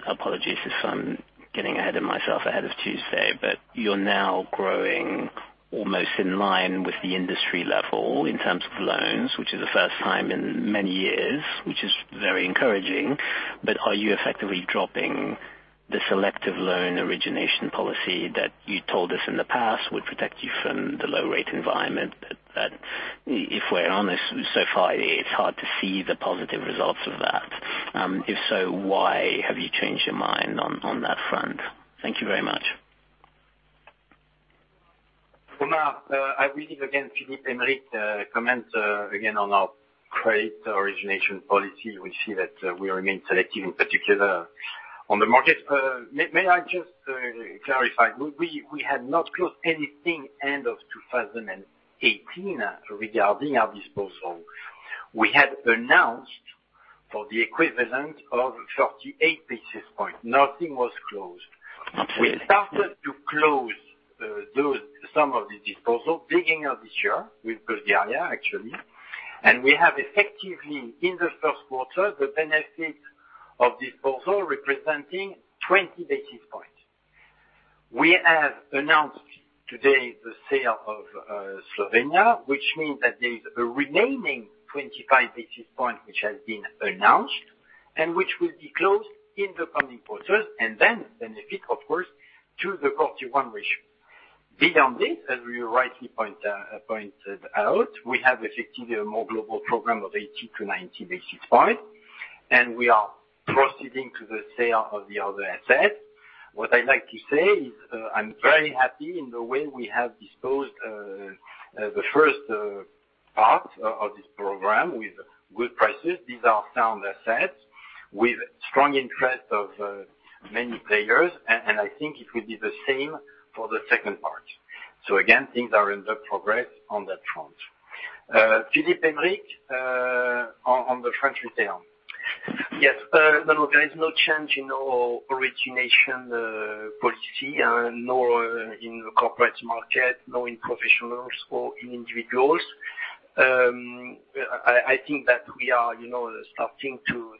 apologies if I'm getting ahead of myself ahead of Tuesday, you're now growing almost in line with the industry level in terms of loans, which is the first time in many years, which is very encouraging. Are you effectively dropping the selective loan origination policy that you told us in the past would protect you from the low rate environment? That if we're honest, so far, it's hard to see the positive results of that. If so, why have you changed your mind on that front? Thank you very much. Omar, I will leave again Philippe-Henri to comment again on our credit origination policy. We see that we remain selective, in particular on the market. May I just clarify? We had not closed anything end of 2018 regarding our disposal. We had announced for the equivalent of 38 basis points, nothing was closed. Okay. We started to close some of the disposal, beginning of this year with Bulgaria, actually. We have effectively in the first quarter, the benefit of disposal representing 20 basis points. We have announced today the sale of Slovenia, which means that there is a remaining 25 basis points, which has been announced, and which will be closed in the coming quarters, then benefit, of course, to the CET1 ratio. Beyond this, as you rightly pointed out, we have effectively a more global program of 80 to 90 basis points, and we are proceeding to the sale of the other assets. What I'd like to say is, I'm very happy in the way we have disposed the first part of this program with good prices. These are sound assets with strong interest of many players, I think it will be the same for the second part. Again, things are in the progress on that front. Philippe Heim on the French Retail. Yes, there is no change in our origination policy, nor in the corporate market, nor in professionals or in individuals. I think that we are starting to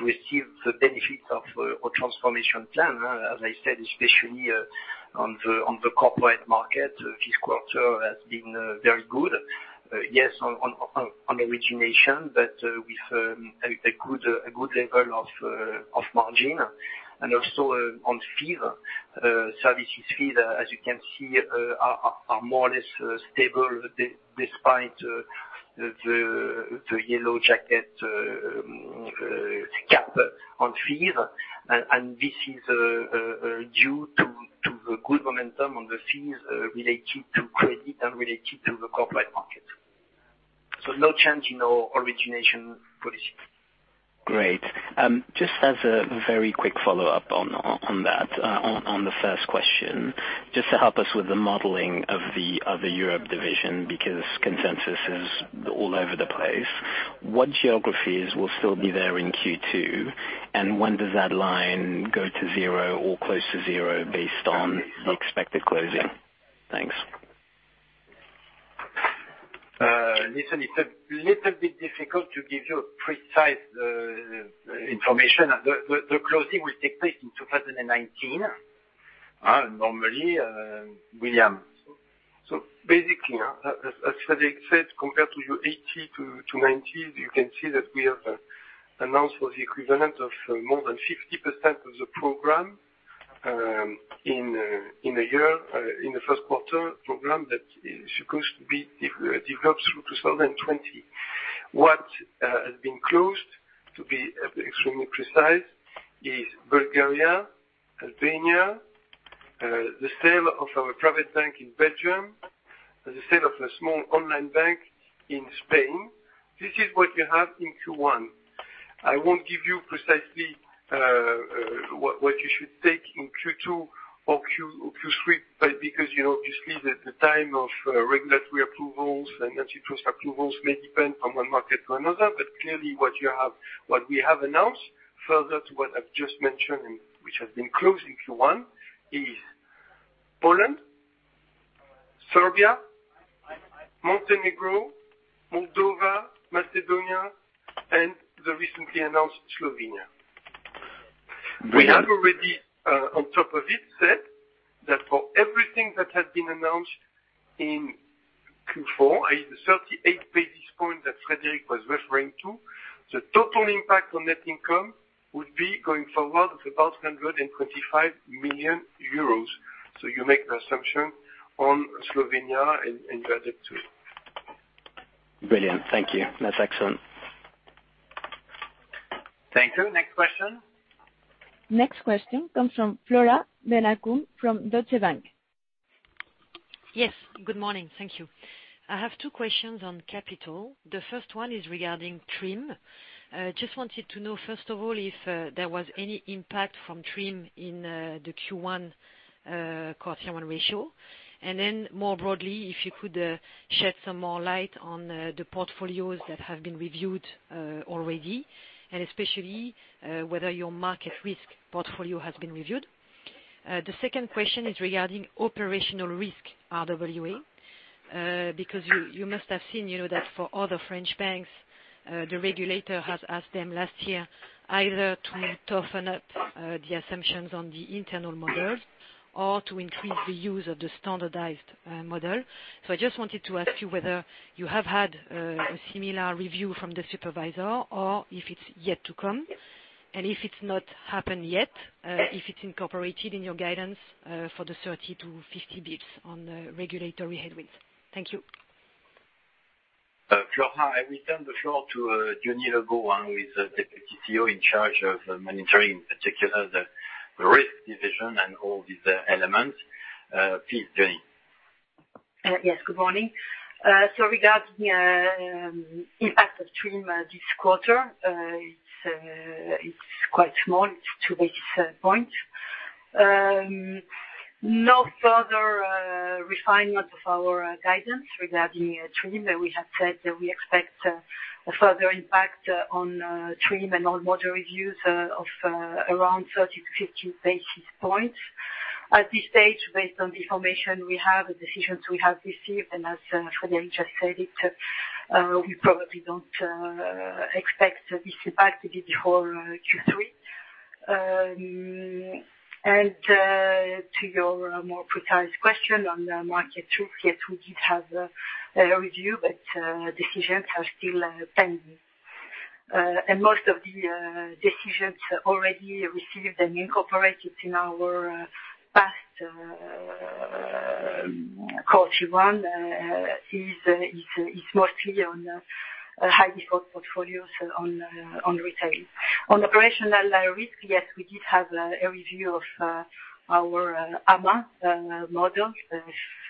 receive the benefits of our transformation plan. As I said, especially on the corporate market, this quarter has been very good. Yes, on origination, with a good level of margin. Also on fees, services fees, as you can see, are more or less stable despite the Gilets Jaunes cap on fees. This is due to the good momentum on the fees related to credit and related to the corporate market. No change in our origination policy. Great. Just as a very quick follow-up on that, on the first question, just to help us with the modeling of the Europe division, because consensus is all over the place. What geographies will still be there in Q2, when does that line go to zero or close to zero based on the expected closing? Thanks. Listen, it's a little bit difficult to give you precise information. The closing will take place in 2019, normally, William. Basically, as Frédéric said, compared to your 80-90, you can see that we have announced for the equivalent of more than 50% of the program. In the year, in the first quarter program that is supposed to be developed through 2020. What has been closed, to be extremely precise, is Bulgaria, Albania, the sale of our private bank in Belgium, the sale of a small online bank in Spain. This is what you have in Q1. I won't give you precisely what you should take in Q2 or Q3, because obviously, the time of regulatory approvals and antitrust approvals may depend from one market to another. Clearly, what we have announced further to what I've just mentioned, and which has been closed in Q1, is Poland, Serbia, Montenegro, Moldova, Macedonia, and the recently announced Slovenia. We have already, on top of it, said that for everything that had been announced in Q4, i.e., the 38 basis points that Frédéric was referring to, the total impact on net income would be going forward of about 125 million euros. You make the assumption on Slovenia and add it too. Brilliant. Thank you. That's excellent. Thank you. Next question. Next question comes from Flora Bocahut from Deutsche Bank. Yes. Good morning. Thank you. I have two questions on capital. The first one is regarding TRIM. Just wanted to know, first of all, if there was any impact from TRIM in the Q1 core tier 1 ratio. Then more broadly, if you could shed some more light on the portfolios that have been reviewed already, and especially whether your market risk portfolio has been reviewed. The second question is regarding operational risk RWA, because you must have seen that for other French banks, the regulator has asked them last year either to toughen up the assumptions on the internal model or to increase the use of the standardized model. I just wanted to ask you whether you have had a similar review from the supervisor or if it's yet to come, and if it's not happened yet, if it's incorporated in your guidance for the 30-50 basis points on regulatory headwinds. Thank you. Flora, I will turn the floor to Diony Lebot, who is Deputy CEO in charge of monitoring, in particular the risk division and all these elements. Please, Jeannie. Yes, good morning. Regarding the impact of TRIM this quarter, it's quite small. It's 2 basis points. No further refinement of our guidance regarding TRIM. We have said that we expect a further impact on TRIM and on model reviews of around 30-50 basis points. At this stage, based on the information we have, the decisions we have received, and as Frédéric just said it, we probably don't expect this impact to be before Q3. To your more precise question on market risk, yes, we did have a review, but decisions are still pending. Most of the decisions already received and incorporated in our past quarter 1 is mostly on high risk portfolios on retail. On operational risk, yes, we did have a review of our AMA model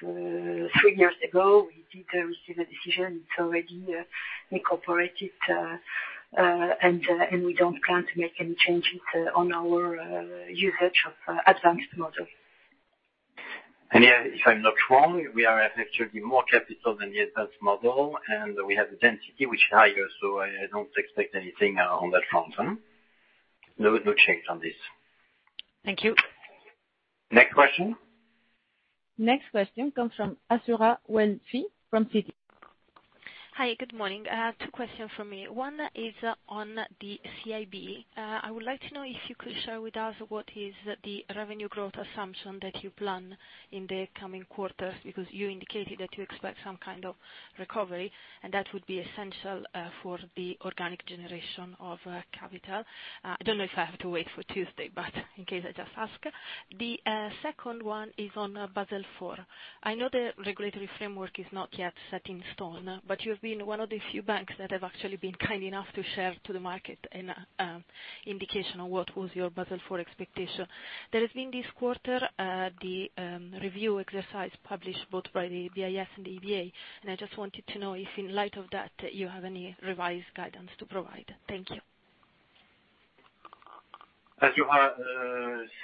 3 years ago. We did receive a decision. It's already incorporated, we don't plan to make any changes on our usage of advanced models. If I'm not wrong, we are actually more capital than the advanced model, and we have a density which is higher, I don't expect anything on that front. No change on this. Thank you. Next question. Next question comes from Azzurra Guelfi from Citi. Hi, good morning. Two questions from me. One is on the CIB. I would like to know if you could share with us what is the revenue growth assumption that you plan in the coming quarters, because you indicated that you expect some kind of recovery, and that would be essential for the organic generation of capital. I don't know if I have to wait for Tuesday, but in case, I just ask. The second one is on Basel IV. I know the regulatory framework is not yet set in stone, but you've been one of the few banks that have actually been kind enough to share to the market an indication on what was your Basel IV expectation. There has been this quarter the review exercise published both by the BIS and the EBA. I just wanted to know if in light of that, you have any revised guidance to provide. Thank you. Azzurra,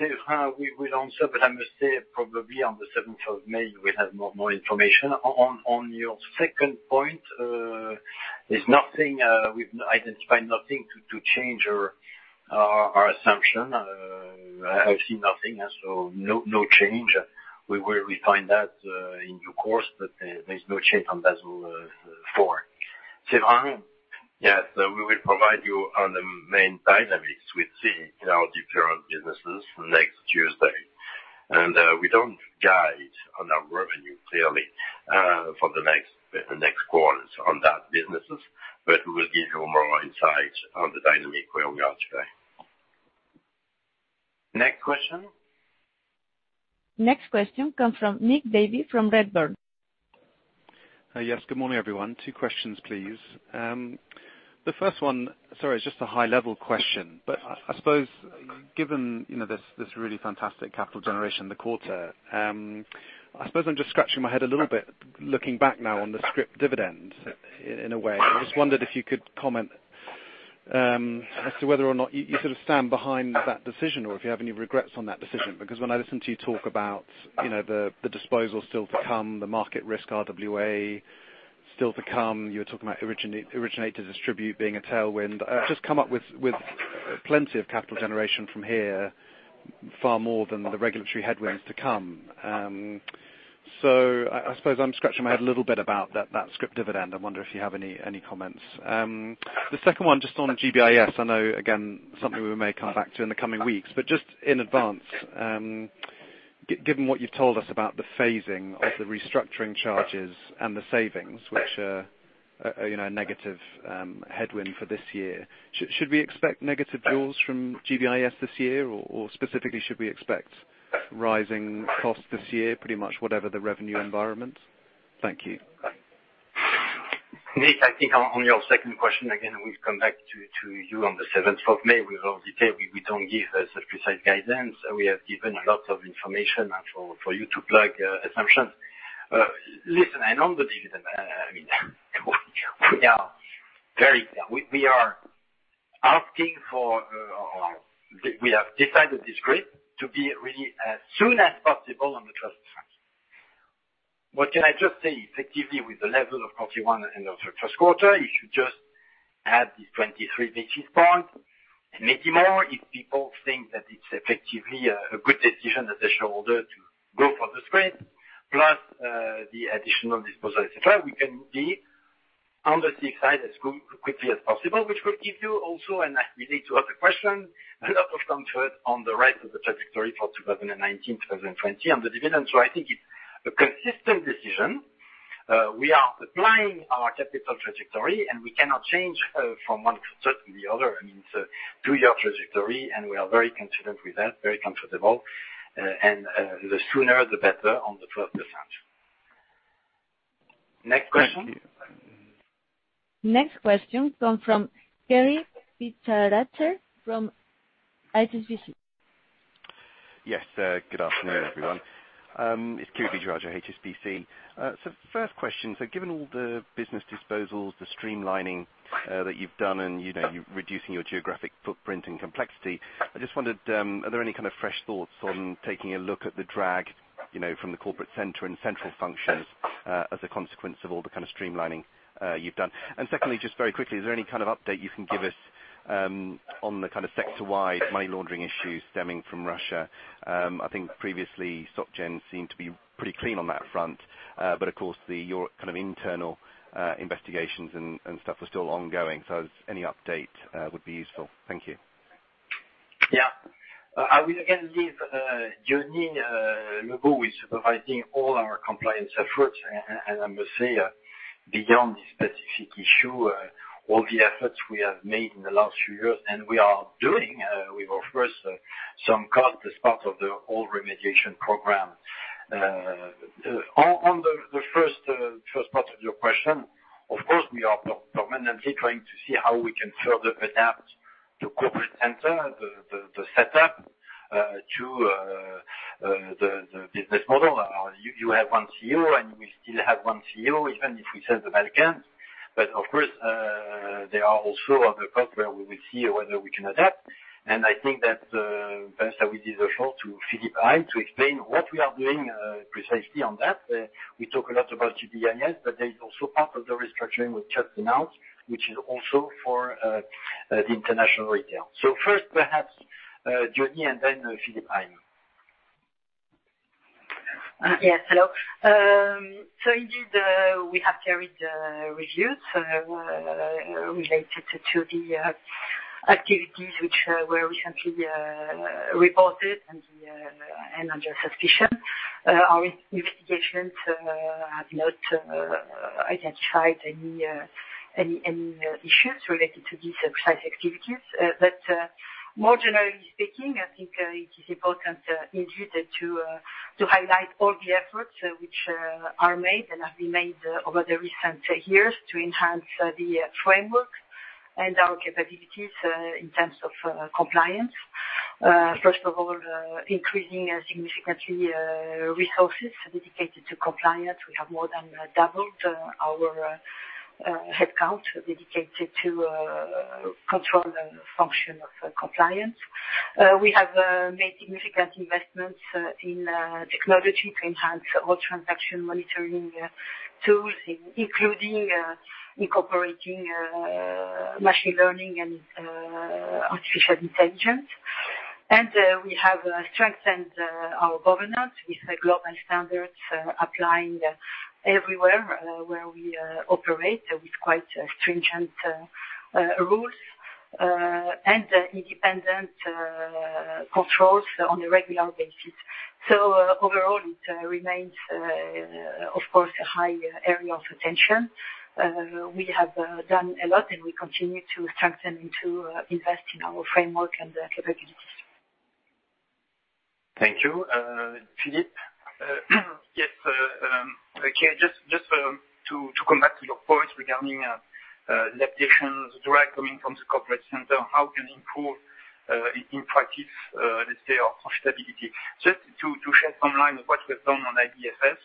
Séverin will answer. I must say probably on the seventh of May, we'll have more information. On your second point, we've identified nothing to change our assumption. I've seen nothing, no change. We will refine that in due course, there's no change on Basel IV. Séverin? Yes. We will provide you on the main dynamics we see in our different businesses next Tuesday. We don't guide on our revenue, clearly, for the next quarters on that businesses. We will give you more insight on the dynamic we are on today. Next question. Next question comes from Nick Davey from Redburn. Yes. Good morning, everyone. Two questions, please. The first one, sorry, it's just a high-level question, but I suppose given this really fantastic capital generation this quarter, I suppose I'm just scratching my head a little bit, looking back now on the scrip dividend, in a way. I just wondered if you could comment as to whether or not you sort of stand behind that decision, or if you have any regrets on that decision. When I listen to you talk about the disposal still to come, the market risk RWA still to come, you were talking about originate to distribute being a tailwind, just come up with plenty of capital generation from here, far more than the regulatory headwinds to come. I suppose I'm scratching my head a little bit about that scrip dividend. I wonder if you have any comments. The second one, just on GBIS. I know, again, something we may come back to in the coming weeks, but just in advance, given what you've told us about the phasing of the restructuring charges and the savings, which are a negative headwind for this year, should we expect negative draws from GBIS this year? Specifically, should we expect rising costs this year, pretty much whatever the revenue environment? Thank you. Nick, I think on your second question, again, we'll come back to you on the 7th of May with all detail. We don't give such precise guidance. We have given a lot of information for you to plug assumptions. Listen, on the dividend, We have decided this scrip to be really as soon as possible on the first fraction. What can I just say, effectively, with the level of Q1 and also first quarter, you should just add these 23 basis point and maybe more, if people think that it's effectively a good decision as a shareholder to go for the scrip, plus the additional disposal, et cetera. We can be on the safe side as quickly as possible, which will give you also, and relates to other question, a lot of comfort on the rest of the trajectory for 2019, 2020 on the dividend. I think it's a consistent decision. We are applying our capital trajectory, and we cannot change from one quarter to the other. It's a two-year trajectory, and we are very confident with that, very comfortable. The sooner the better on the first fraction. Next question. Thank you. Next question come from Kiri Vittarajah from HSBC. Yes. Good afternoon, everyone. It's Kiri Vittarajah, HSBC. First question, given all the business disposals, the streamlining that you've done, and you're reducing your geographic footprint and complexity, I just wondered, are there any kind of fresh thoughts on taking a look at the drag from the corporate center and central functions as a consequence of all the kind of streamlining you've done? Secondly, just very quickly, is there any kind of update you can give us on the kind of sector-wide money laundering issues stemming from Russia? I think previously, SocGen seemed to be pretty clean on that front, but of course, your kind of internal investigations and stuff are still ongoing. Any update would be useful. Thank you. I will again leave Johny Legault with supervising all our compliance efforts. I must say, beyond this specific issue, all the efforts we have made in the last few years, and we are doing, with of course, some cost as part of the whole remediation program. On the first part of your question, of course, we are permanently trying to see how we can further adapt to corporate center, the setup to the business model. You have one CEO, and we still have one CEO, even if we sell the Vatican. Of course, there are also other parts where we will see whether we can adapt. I think that perhaps I will give the floor to Philippe Heim to explain what we are doing precisely on that. We talk a lot about GBIS, there is also part of the restructuring we've just announced, which is also for the international retail. First, perhaps Johny, and then Philippe Heim. Yes, hello. Indeed, we have carried reviews related to the activities which were recently reported and under suspicion. Our investigations have not identified any issues related to these precise activities. More generally speaking, I think it is important, indeed, to highlight all the efforts which are made and have been made over the recent years to enhance the framework and our capabilities in terms of compliance. First of all, increasing significantly resources dedicated to compliance. We have more than doubled our headcount dedicated to control the function of compliance. We have made significant investments in technology to enhance all transaction monitoring tools, including incorporating machine learning and artificial intelligence. We have strengthened our governance with global standards applying everywhere where we operate, with quite stringent rules. And independent controls on a regular basis. Overall, it remains, of course, a high area of attention. We have done a lot, we continue to strengthen, to invest in our framework and capabilities. Thank you. Philippe? Yes. Just to come back to your point regarding levies and directs coming from the corporate center, how we can improve in practice, let's say, our profitability. Just to share some lines of what we have done on IBFS,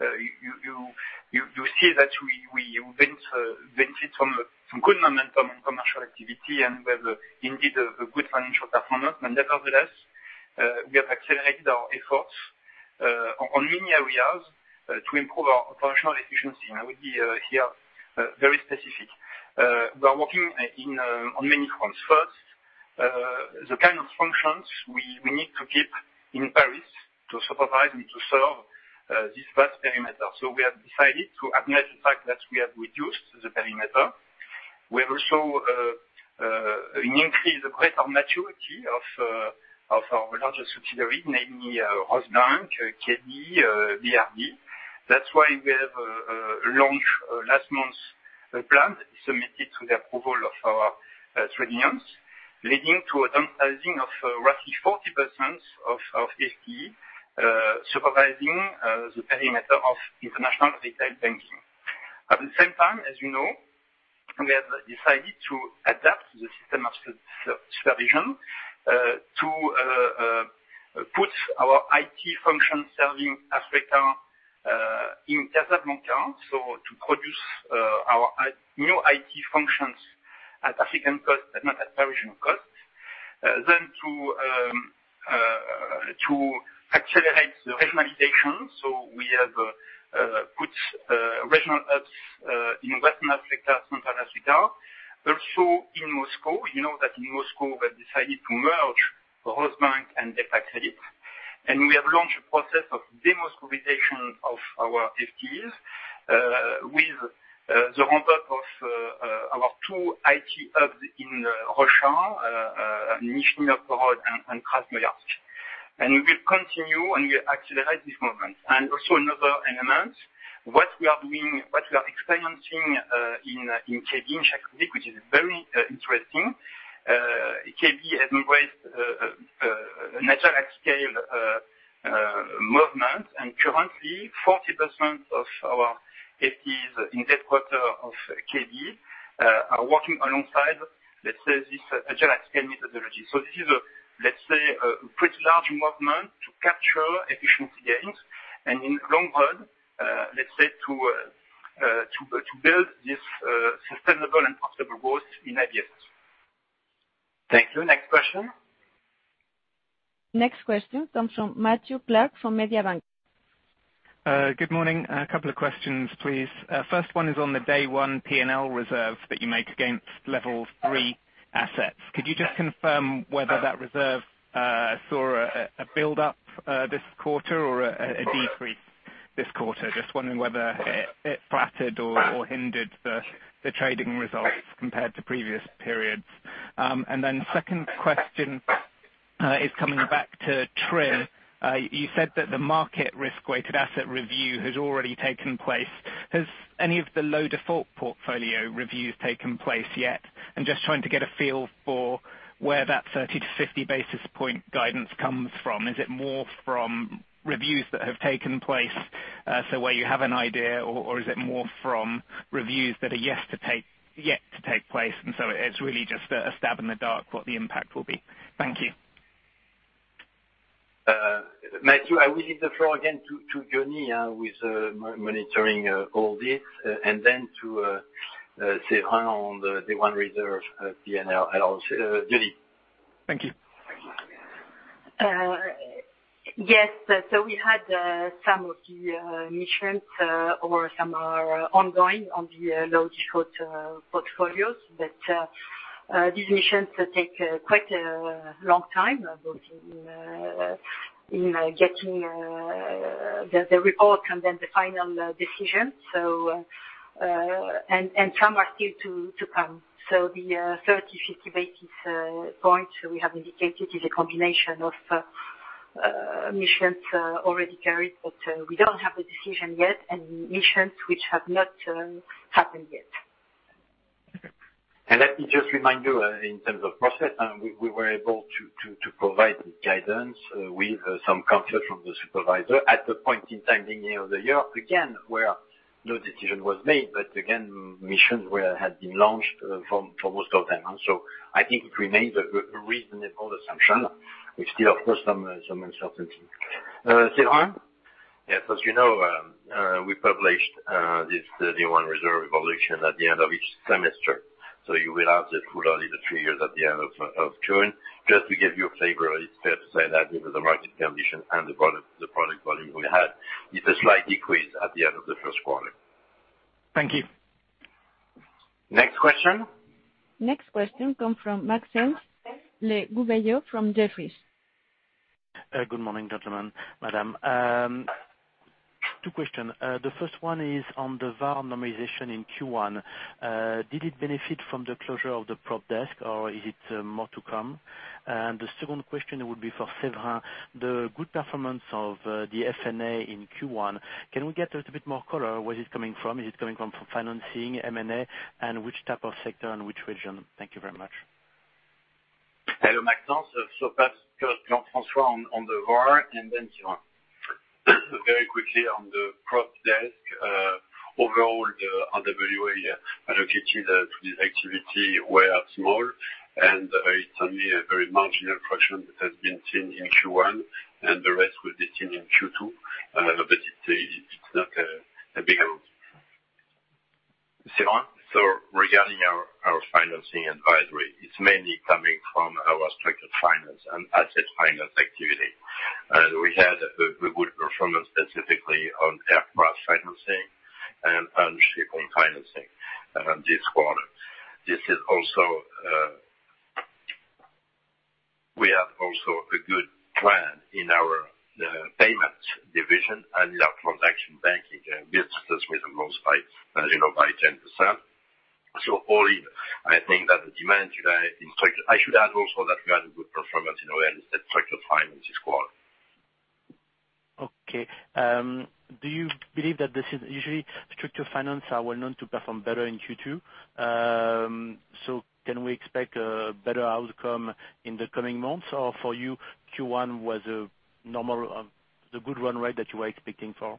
you see that we ventured some good momentum on commercial activity, and we have indeed a good financial performance. Nevertheless, we have accelerated our efforts on many areas to improve our operational efficiency. I will be here very specific. We are working on many fronts. First, the kind of functions we need to keep in Paris to supervise and to serve this first perimeter. We have decided to acknowledge the fact that we have reduced the perimeter. We have also increased the greater maturity of our larger subsidiaries, namely Rosbank, Komerční banka, BRD. That is why we have launched last month a plan that is submitted to the approval of our trade unions, leading to a downsizing of roughly 40% of FTE supervising the perimeter of international retail banking. At the same time, as you know, we have decided to adapt the system of supervision to put our IT function serving Africa in Casablanca, to produce our new IT functions at African cost and not at Parisian cost. To accelerate the regionalization. We have put regional hubs in Western Africa, Central Africa, also in Moscow. You know that in Moscow, we have decided to merge the Rosbank and DeltaCredit. We have launched a process of de-Moscowization of our FTEs with the ramp-up of our two IT hubs in Russia, Nizhny Novgorod and Krasnoyarsk. We will continue, we will accelerate this movement. Also another element, what we are doing, what we are experiencing in Komerční banka in Czech Republic, which is very interesting, Komerční banka has embraced agile at scale movement. Currently, 40% of our FTEs in headquarter of Komerční banka are working alongside, let's say, this agile at scale methodology. This is, let's say, a pretty large movement to capture efficiency gains, and in long run, let's say, to build this sustainable and profitable growth in IBFS. Thank you. Next question. Next question comes from Matthew Clark from Mediobanca. Good morning. A couple of questions, please. First one is on the day one P&L reserve that you make against level 3 assets. Could you just confirm whether that reserve saw a build-up this quarter or a decrease this quarter? Just wondering whether it flattered or hindered the trading results compared to previous periods. Second question is coming back to TRI. You said that the market risk-weighted asset review has already taken place. Has any of the low default portfolio reviews taken place yet? I'm just trying to get a feel for where that 30-50 basis point guidance comes from. Is it more from reviews that have taken place, so where you have an idea, or is it more from reviews that are yet to take place, and so it's really just a stab in the dark what the impact will be? Thank you. Matthew, I will leave the floor again to Johnny, who is monitoring all this, and then to Séverin on the day one reserve P&L. Johnny. Thank you. Yes. We had some of the missions, or some are ongoing on the low default portfolios. These missions take quite a long time, both in getting the report and then the final decision. Some are still to come. The 30, 50 basis points we have indicated is a combination of missions already carried, but we don't have a decision yet, and missions which have not happened yet. Let me just remind you, in terms of process, we were able to provide the guidance with some comfort from the supervisor at the point in time the end of the year, again, where no decision was made. Again, missions had been launched for most of them. I think it remains a reasonable assumption with still, of course, some uncertainty. Séverin? Yes. As you know, we published this day one reserve evolution at the end of each semester. You will have the full only the figures at the end of June. Just to give you a flavor, it's fair to say that given the market condition and the product volume we had, it's a slight decrease at the end of the first quarter. Thank you. Next question. Next question come from Maxence Le Gouvello from Jefferies. Good morning, gentlemen, madam. Two question. The first one is on the VAR normalization in Q1. Did it benefit from the closure of the prop desk or is it more to come? The second question would be for Séverin. The good performance of the FNA in Q1, can we get a little bit more color where it's coming from? Is it coming from financing, M&A, and which type of sector and which region? Thank you very much. Hello, Maxence. Perhaps, first Jean-François on the VAR, then Séverin. Very quickly on the prop desk. Overall, the RWA allocated to this activity were small, it's only a very marginal fraction that has been seen in Q1, the rest will be seen in Q2. It's not big at all. Severin? Regarding our Financing & Advisory, it's mainly coming from our structured finance and asset finance activity. We had a good performance specifically on aircraft financing and on shipping financing this quarter. We have also a good plan in our payments division and in our transaction banking business with a growth by 10%. All in, I think that the demand should add also that we had a good performance in our structured finance this quarter. Okay. Do you believe that this is usually structured finance are well known to perform better in Q2? Can we expect a better outcome in the coming months, or for you, Q1 was the good run rate that you were expecting for?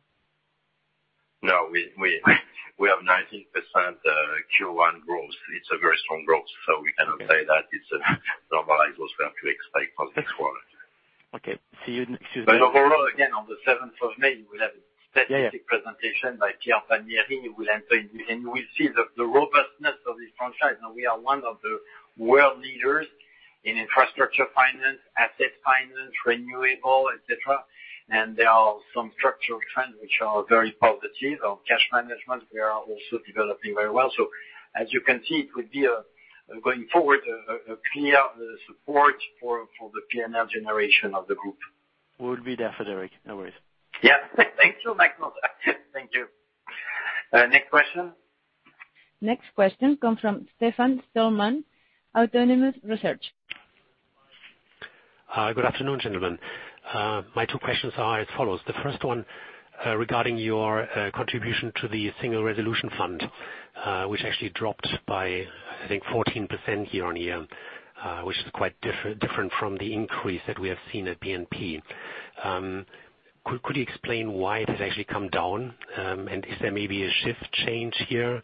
We have 19% Q1 growth. It's a very strong growth. We cannot say that it's a normalized, what we have to expect for this quarter. Okay. See you. Overall, again, on the 7th of May, we'll have a statistic presentation by Pierre Palmieri. He will enter and you will see the robustness of this franchise. Now we are one of the world leaders in infrastructure finance, asset finance, renewable, et cetera. There are some structural trends which are very positive. On cash management, we are also developing very well. As you can see, it would be, going forward, a clear support for the P&L generation of the group. We'll be there, Frédéric. No worries. Yeah. Thank you, Maxence. Thank you. Next question. Next question comes from Stefan Stalmann, Autonomous Research. Good afternoon, gentlemen. My two questions are as follows. The first one regarding your contribution to the Single Resolution Fund, which actually dropped by, I think, 14% year-on-year, which is quite different from the increase that we have seen at BNP. Could you explain why it has actually come down? Is there maybe a shift change here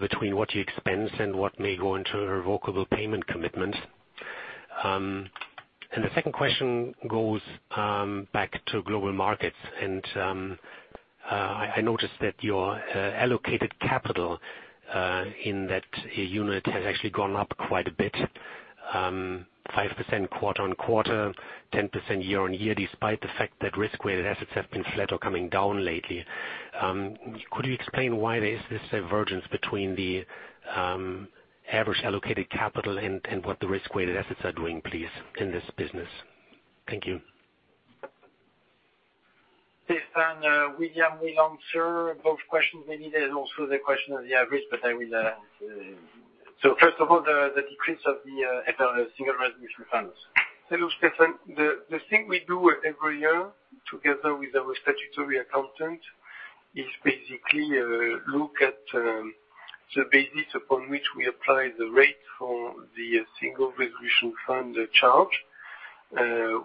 between what you expense and what may go into irrevocable payment commitments? The second question goes back to global markets, and I noticed that your allocated capital in that unit has actually gone up quite a bit, 5% quarter-on-quarter, 10% year-on-year, despite the fact that risk-weighted assets have been flat or coming down lately. Could you explain why there is this divergence between the average allocated capital and what the risk-weighted assets are doing, please, in this business? Thank you. Stefan, William will answer both questions. Maybe there's also the question of the average. First of all, the decrease of the SRF, Single Resolution Fund. Hello, Stefan. The thing we do every year together with our statutory accountant is basically look at the basis upon which we apply the rate for the Single Resolution Fund charge.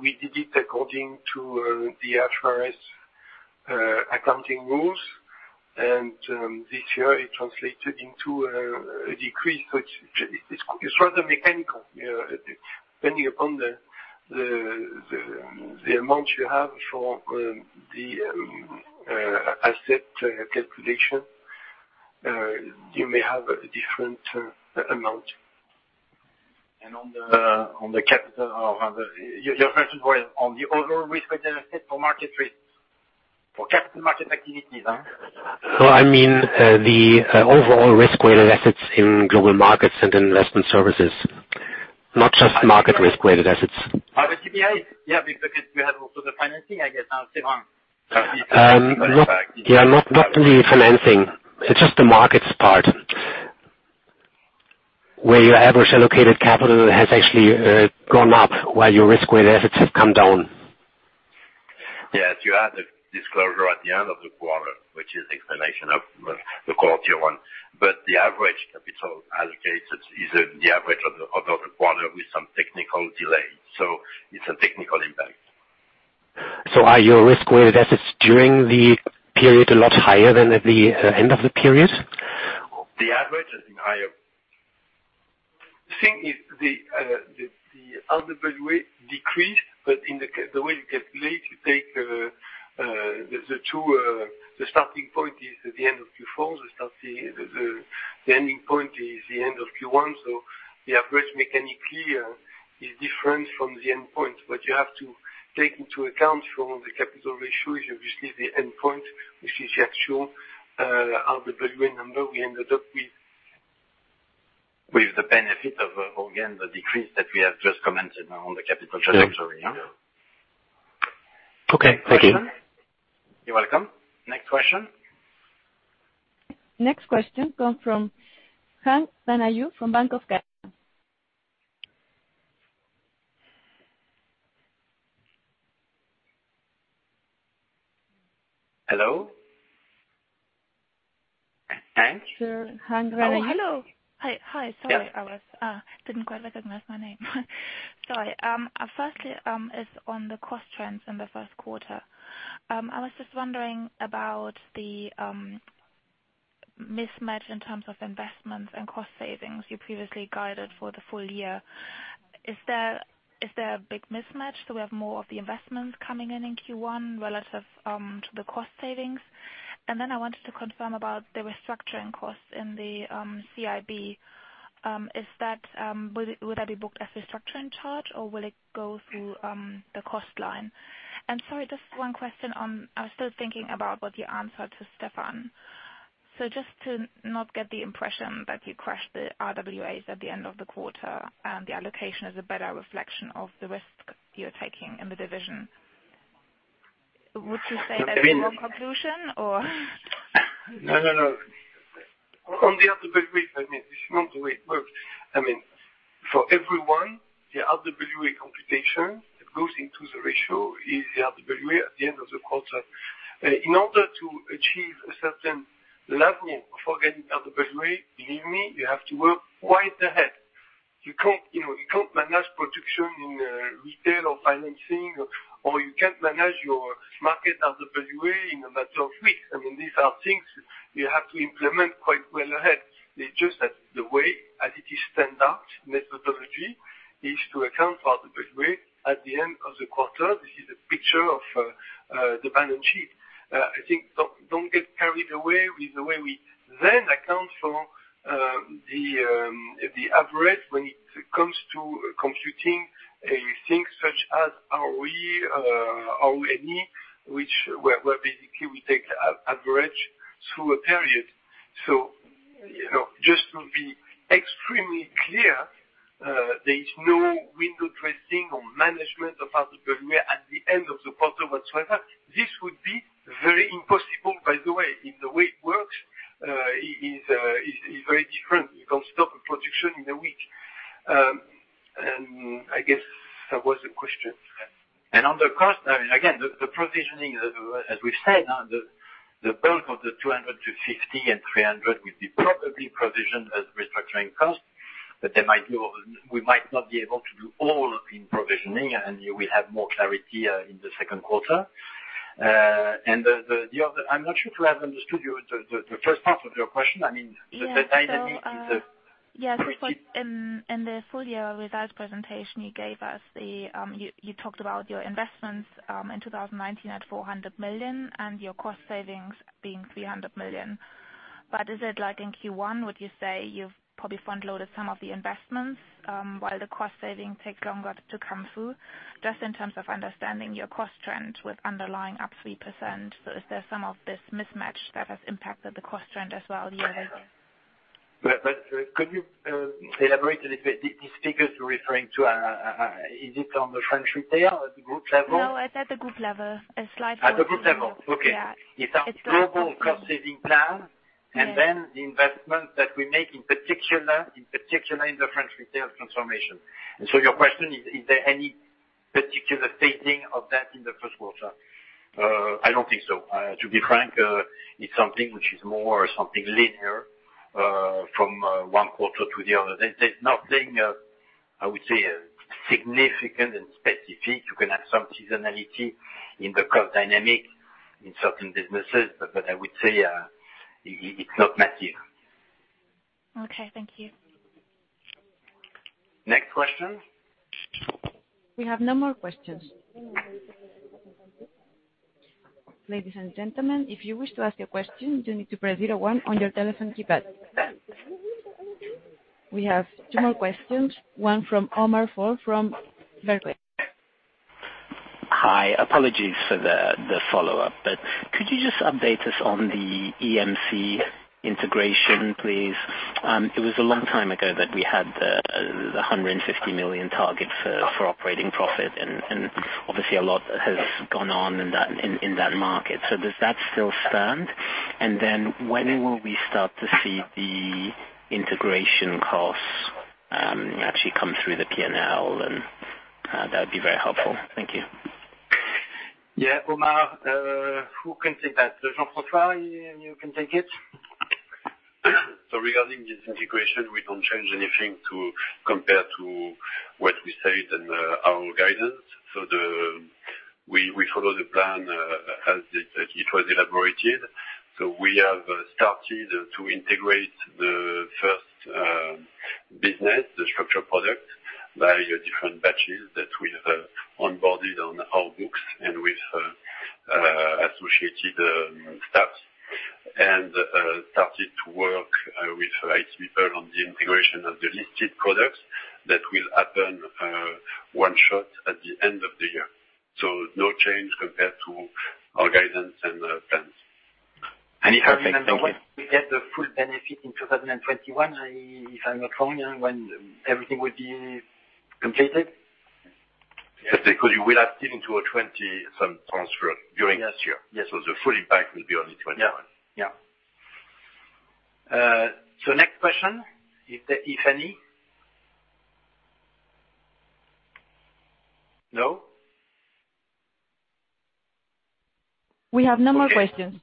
We did it according to the SRF accounting rules. This year it translated into a decrease, which is rather mechanical. Depending upon the amount you have for the asset calculation, you may have a different amount. On the capital, your question was on the overall risk-weighted asset for market risk, for capital market activities? No, I mean, the overall risk-weighted assets in global markets and investment services, not just market risk-weighted assets. The GPA? Yeah, because we have also the financing, I guess. Séverin. Not really financing. It's just the markets part, where your average allocated capital has actually gone up while your risk-weighted assets have come down. Yes, you had a disclosure at the end of the quarter, which is explanation of the Q1. The average capital allocated is the average of the other quarter with some technical delay. It's a technical impact. Are your risk-weighted assets during the period a lot higher than at the end of the period? The average has been higher. Thing is, the RWA decreased, the way you calculate, the starting point is at the end of Q4, the ending point is the end of Q1, so the average mechanically is different from the end point. You have to take into account from the capital ratios, obviously the endpoint, which is actually how the RWA number we ended up with With the benefit of, again, the decrease that we have just commented on the capital treasury. Okay, thank you. You're welcome. Next question. Next question come from Hank Danayu from Bank of America. Hello? Hank? Sure, Hank Danayu. Hello. Hi. Sorry. Yes. I didn't quite recognize my name. Sorry. Firstly, is on the cost trends in the first quarter. I was just wondering about the mismatch in terms of investments and cost savings you previously guided for the full year. Is there a big mismatch? Do we have more of the investments coming in in Q1 relative to the cost savings? I wanted to confirm about the restructuring costs in the CIB. Would that be booked as restructuring charge or will it go through the cost line? Sorry, just one question on, I was still thinking about what you answered to Stefan. Just to not get the impression that you crashed the RWAs at the end of the quarter, and the allocation is a better reflection of the risk you're taking in the division. Would you say there is more conclusion or No, no. On the other way, this is not the way it works. For everyone, the RWA computation that goes into the ratio is the RWA at the end of the quarter. In order to achieve a certain level of getting RWA, believe me, you have to work quite ahead. You can't manage production in retail or financing, or you can't manage your market RWA in a matter of weeks. These are things you have to implement quite well ahead. It's just that the way, as it is standard methodology, is to account for RWA at the end of the quarter. This is a picture of the balance sheet. I think, don't get carried away with the way we then account for the average when it comes to computing things such as ROE, RONE, which, where basically, we take the average through a period. Just to be extremely clear, there is no window dressing or management of RWA at the end of the quarter whatsoever. This would be very impossible, by the way, if the way it works is very different. You can't stop a production in a week. I guess that was the question. On the cost, again, the provisioning, as we've said, the bulk of the 200 to 50 and 300 would be probably provisioned as restructuring costs, but we might not be able to do all in provisioning, and we have more clarity in the second quarter. I'm not sure to have understood you, the first part of your question. The dynamic is the. Yes, in the full year results presentation you gave us, you talked about your investments in 2019 at 400 million, and your cost savings being 300 million. Is it like in Q1, would you say you've probably front-loaded some of the investments, while the cost saving take longer to come through? Just in terms of understanding your cost trend with underlying up 3%. Is there some of this mismatch that has impacted the cost trend as well year-over-year? Could you elaborate a little bit, these figures you're referring to, is it on the French retail at the group level? No, it's at the group level. At the group level. Okay. Yeah. It's our global cost-saving plan. Yeah. The investment that we make, in particular, in the French retail transformation. Your question, is there any particular phasing of that in the first quarter? I don't think so. To be frank, it's something which is more something linear, from one quarter to the other. There's nothing, I would say, significant and specific. You can have some seasonality in the cost dynamic in certain businesses. What I would say, it's not material. Okay, thank you. Next question. We have no more questions. Ladies and gentlemen, if you wish to ask a question, you need to press zero one on your telephone keypad. We have two more questions, one from Omar Fall from Barclays. Hi. Apologies for the follow-up. Could you just update us on the EMC integration, please? It was a long time ago that we had the 150 million target for operating profit, obviously, a lot has gone on in that market. Does that still stand? When will we start to see the integration costs actually come through the P&L, that would be very helpful. Thank you. Yeah, Omar, who can take that? Jean-François, you can take it? Regarding this integration, we don't change anything compared to what we said in our guidance. We follow the plan as it was elaborated. We have started to integrate the first business, the structured products, via different batches that we have onboarded on our books and with associated staff. Started to work with HVB on the integration of the listed products that will happen one shot at the end of the year. No change compared to our guidance and plans. You have- Remember, when we get the full benefit in 2021, if I'm not wrong, when everything will be completed? Yes, because you will have still in 2020 some transfer during this year. Yes. The full impact will be on the 2021. Yeah. Next question, if any. No? We have no more questions.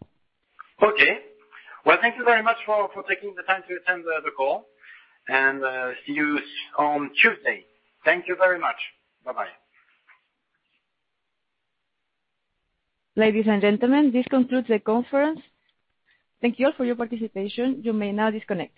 Okay. Well, thank you very much for taking the time to attend the call. See you on Tuesday. Thank you very much. Bye-bye. Ladies and gentlemen, this concludes the conference. Thank you all for your participation. You may now disconnect.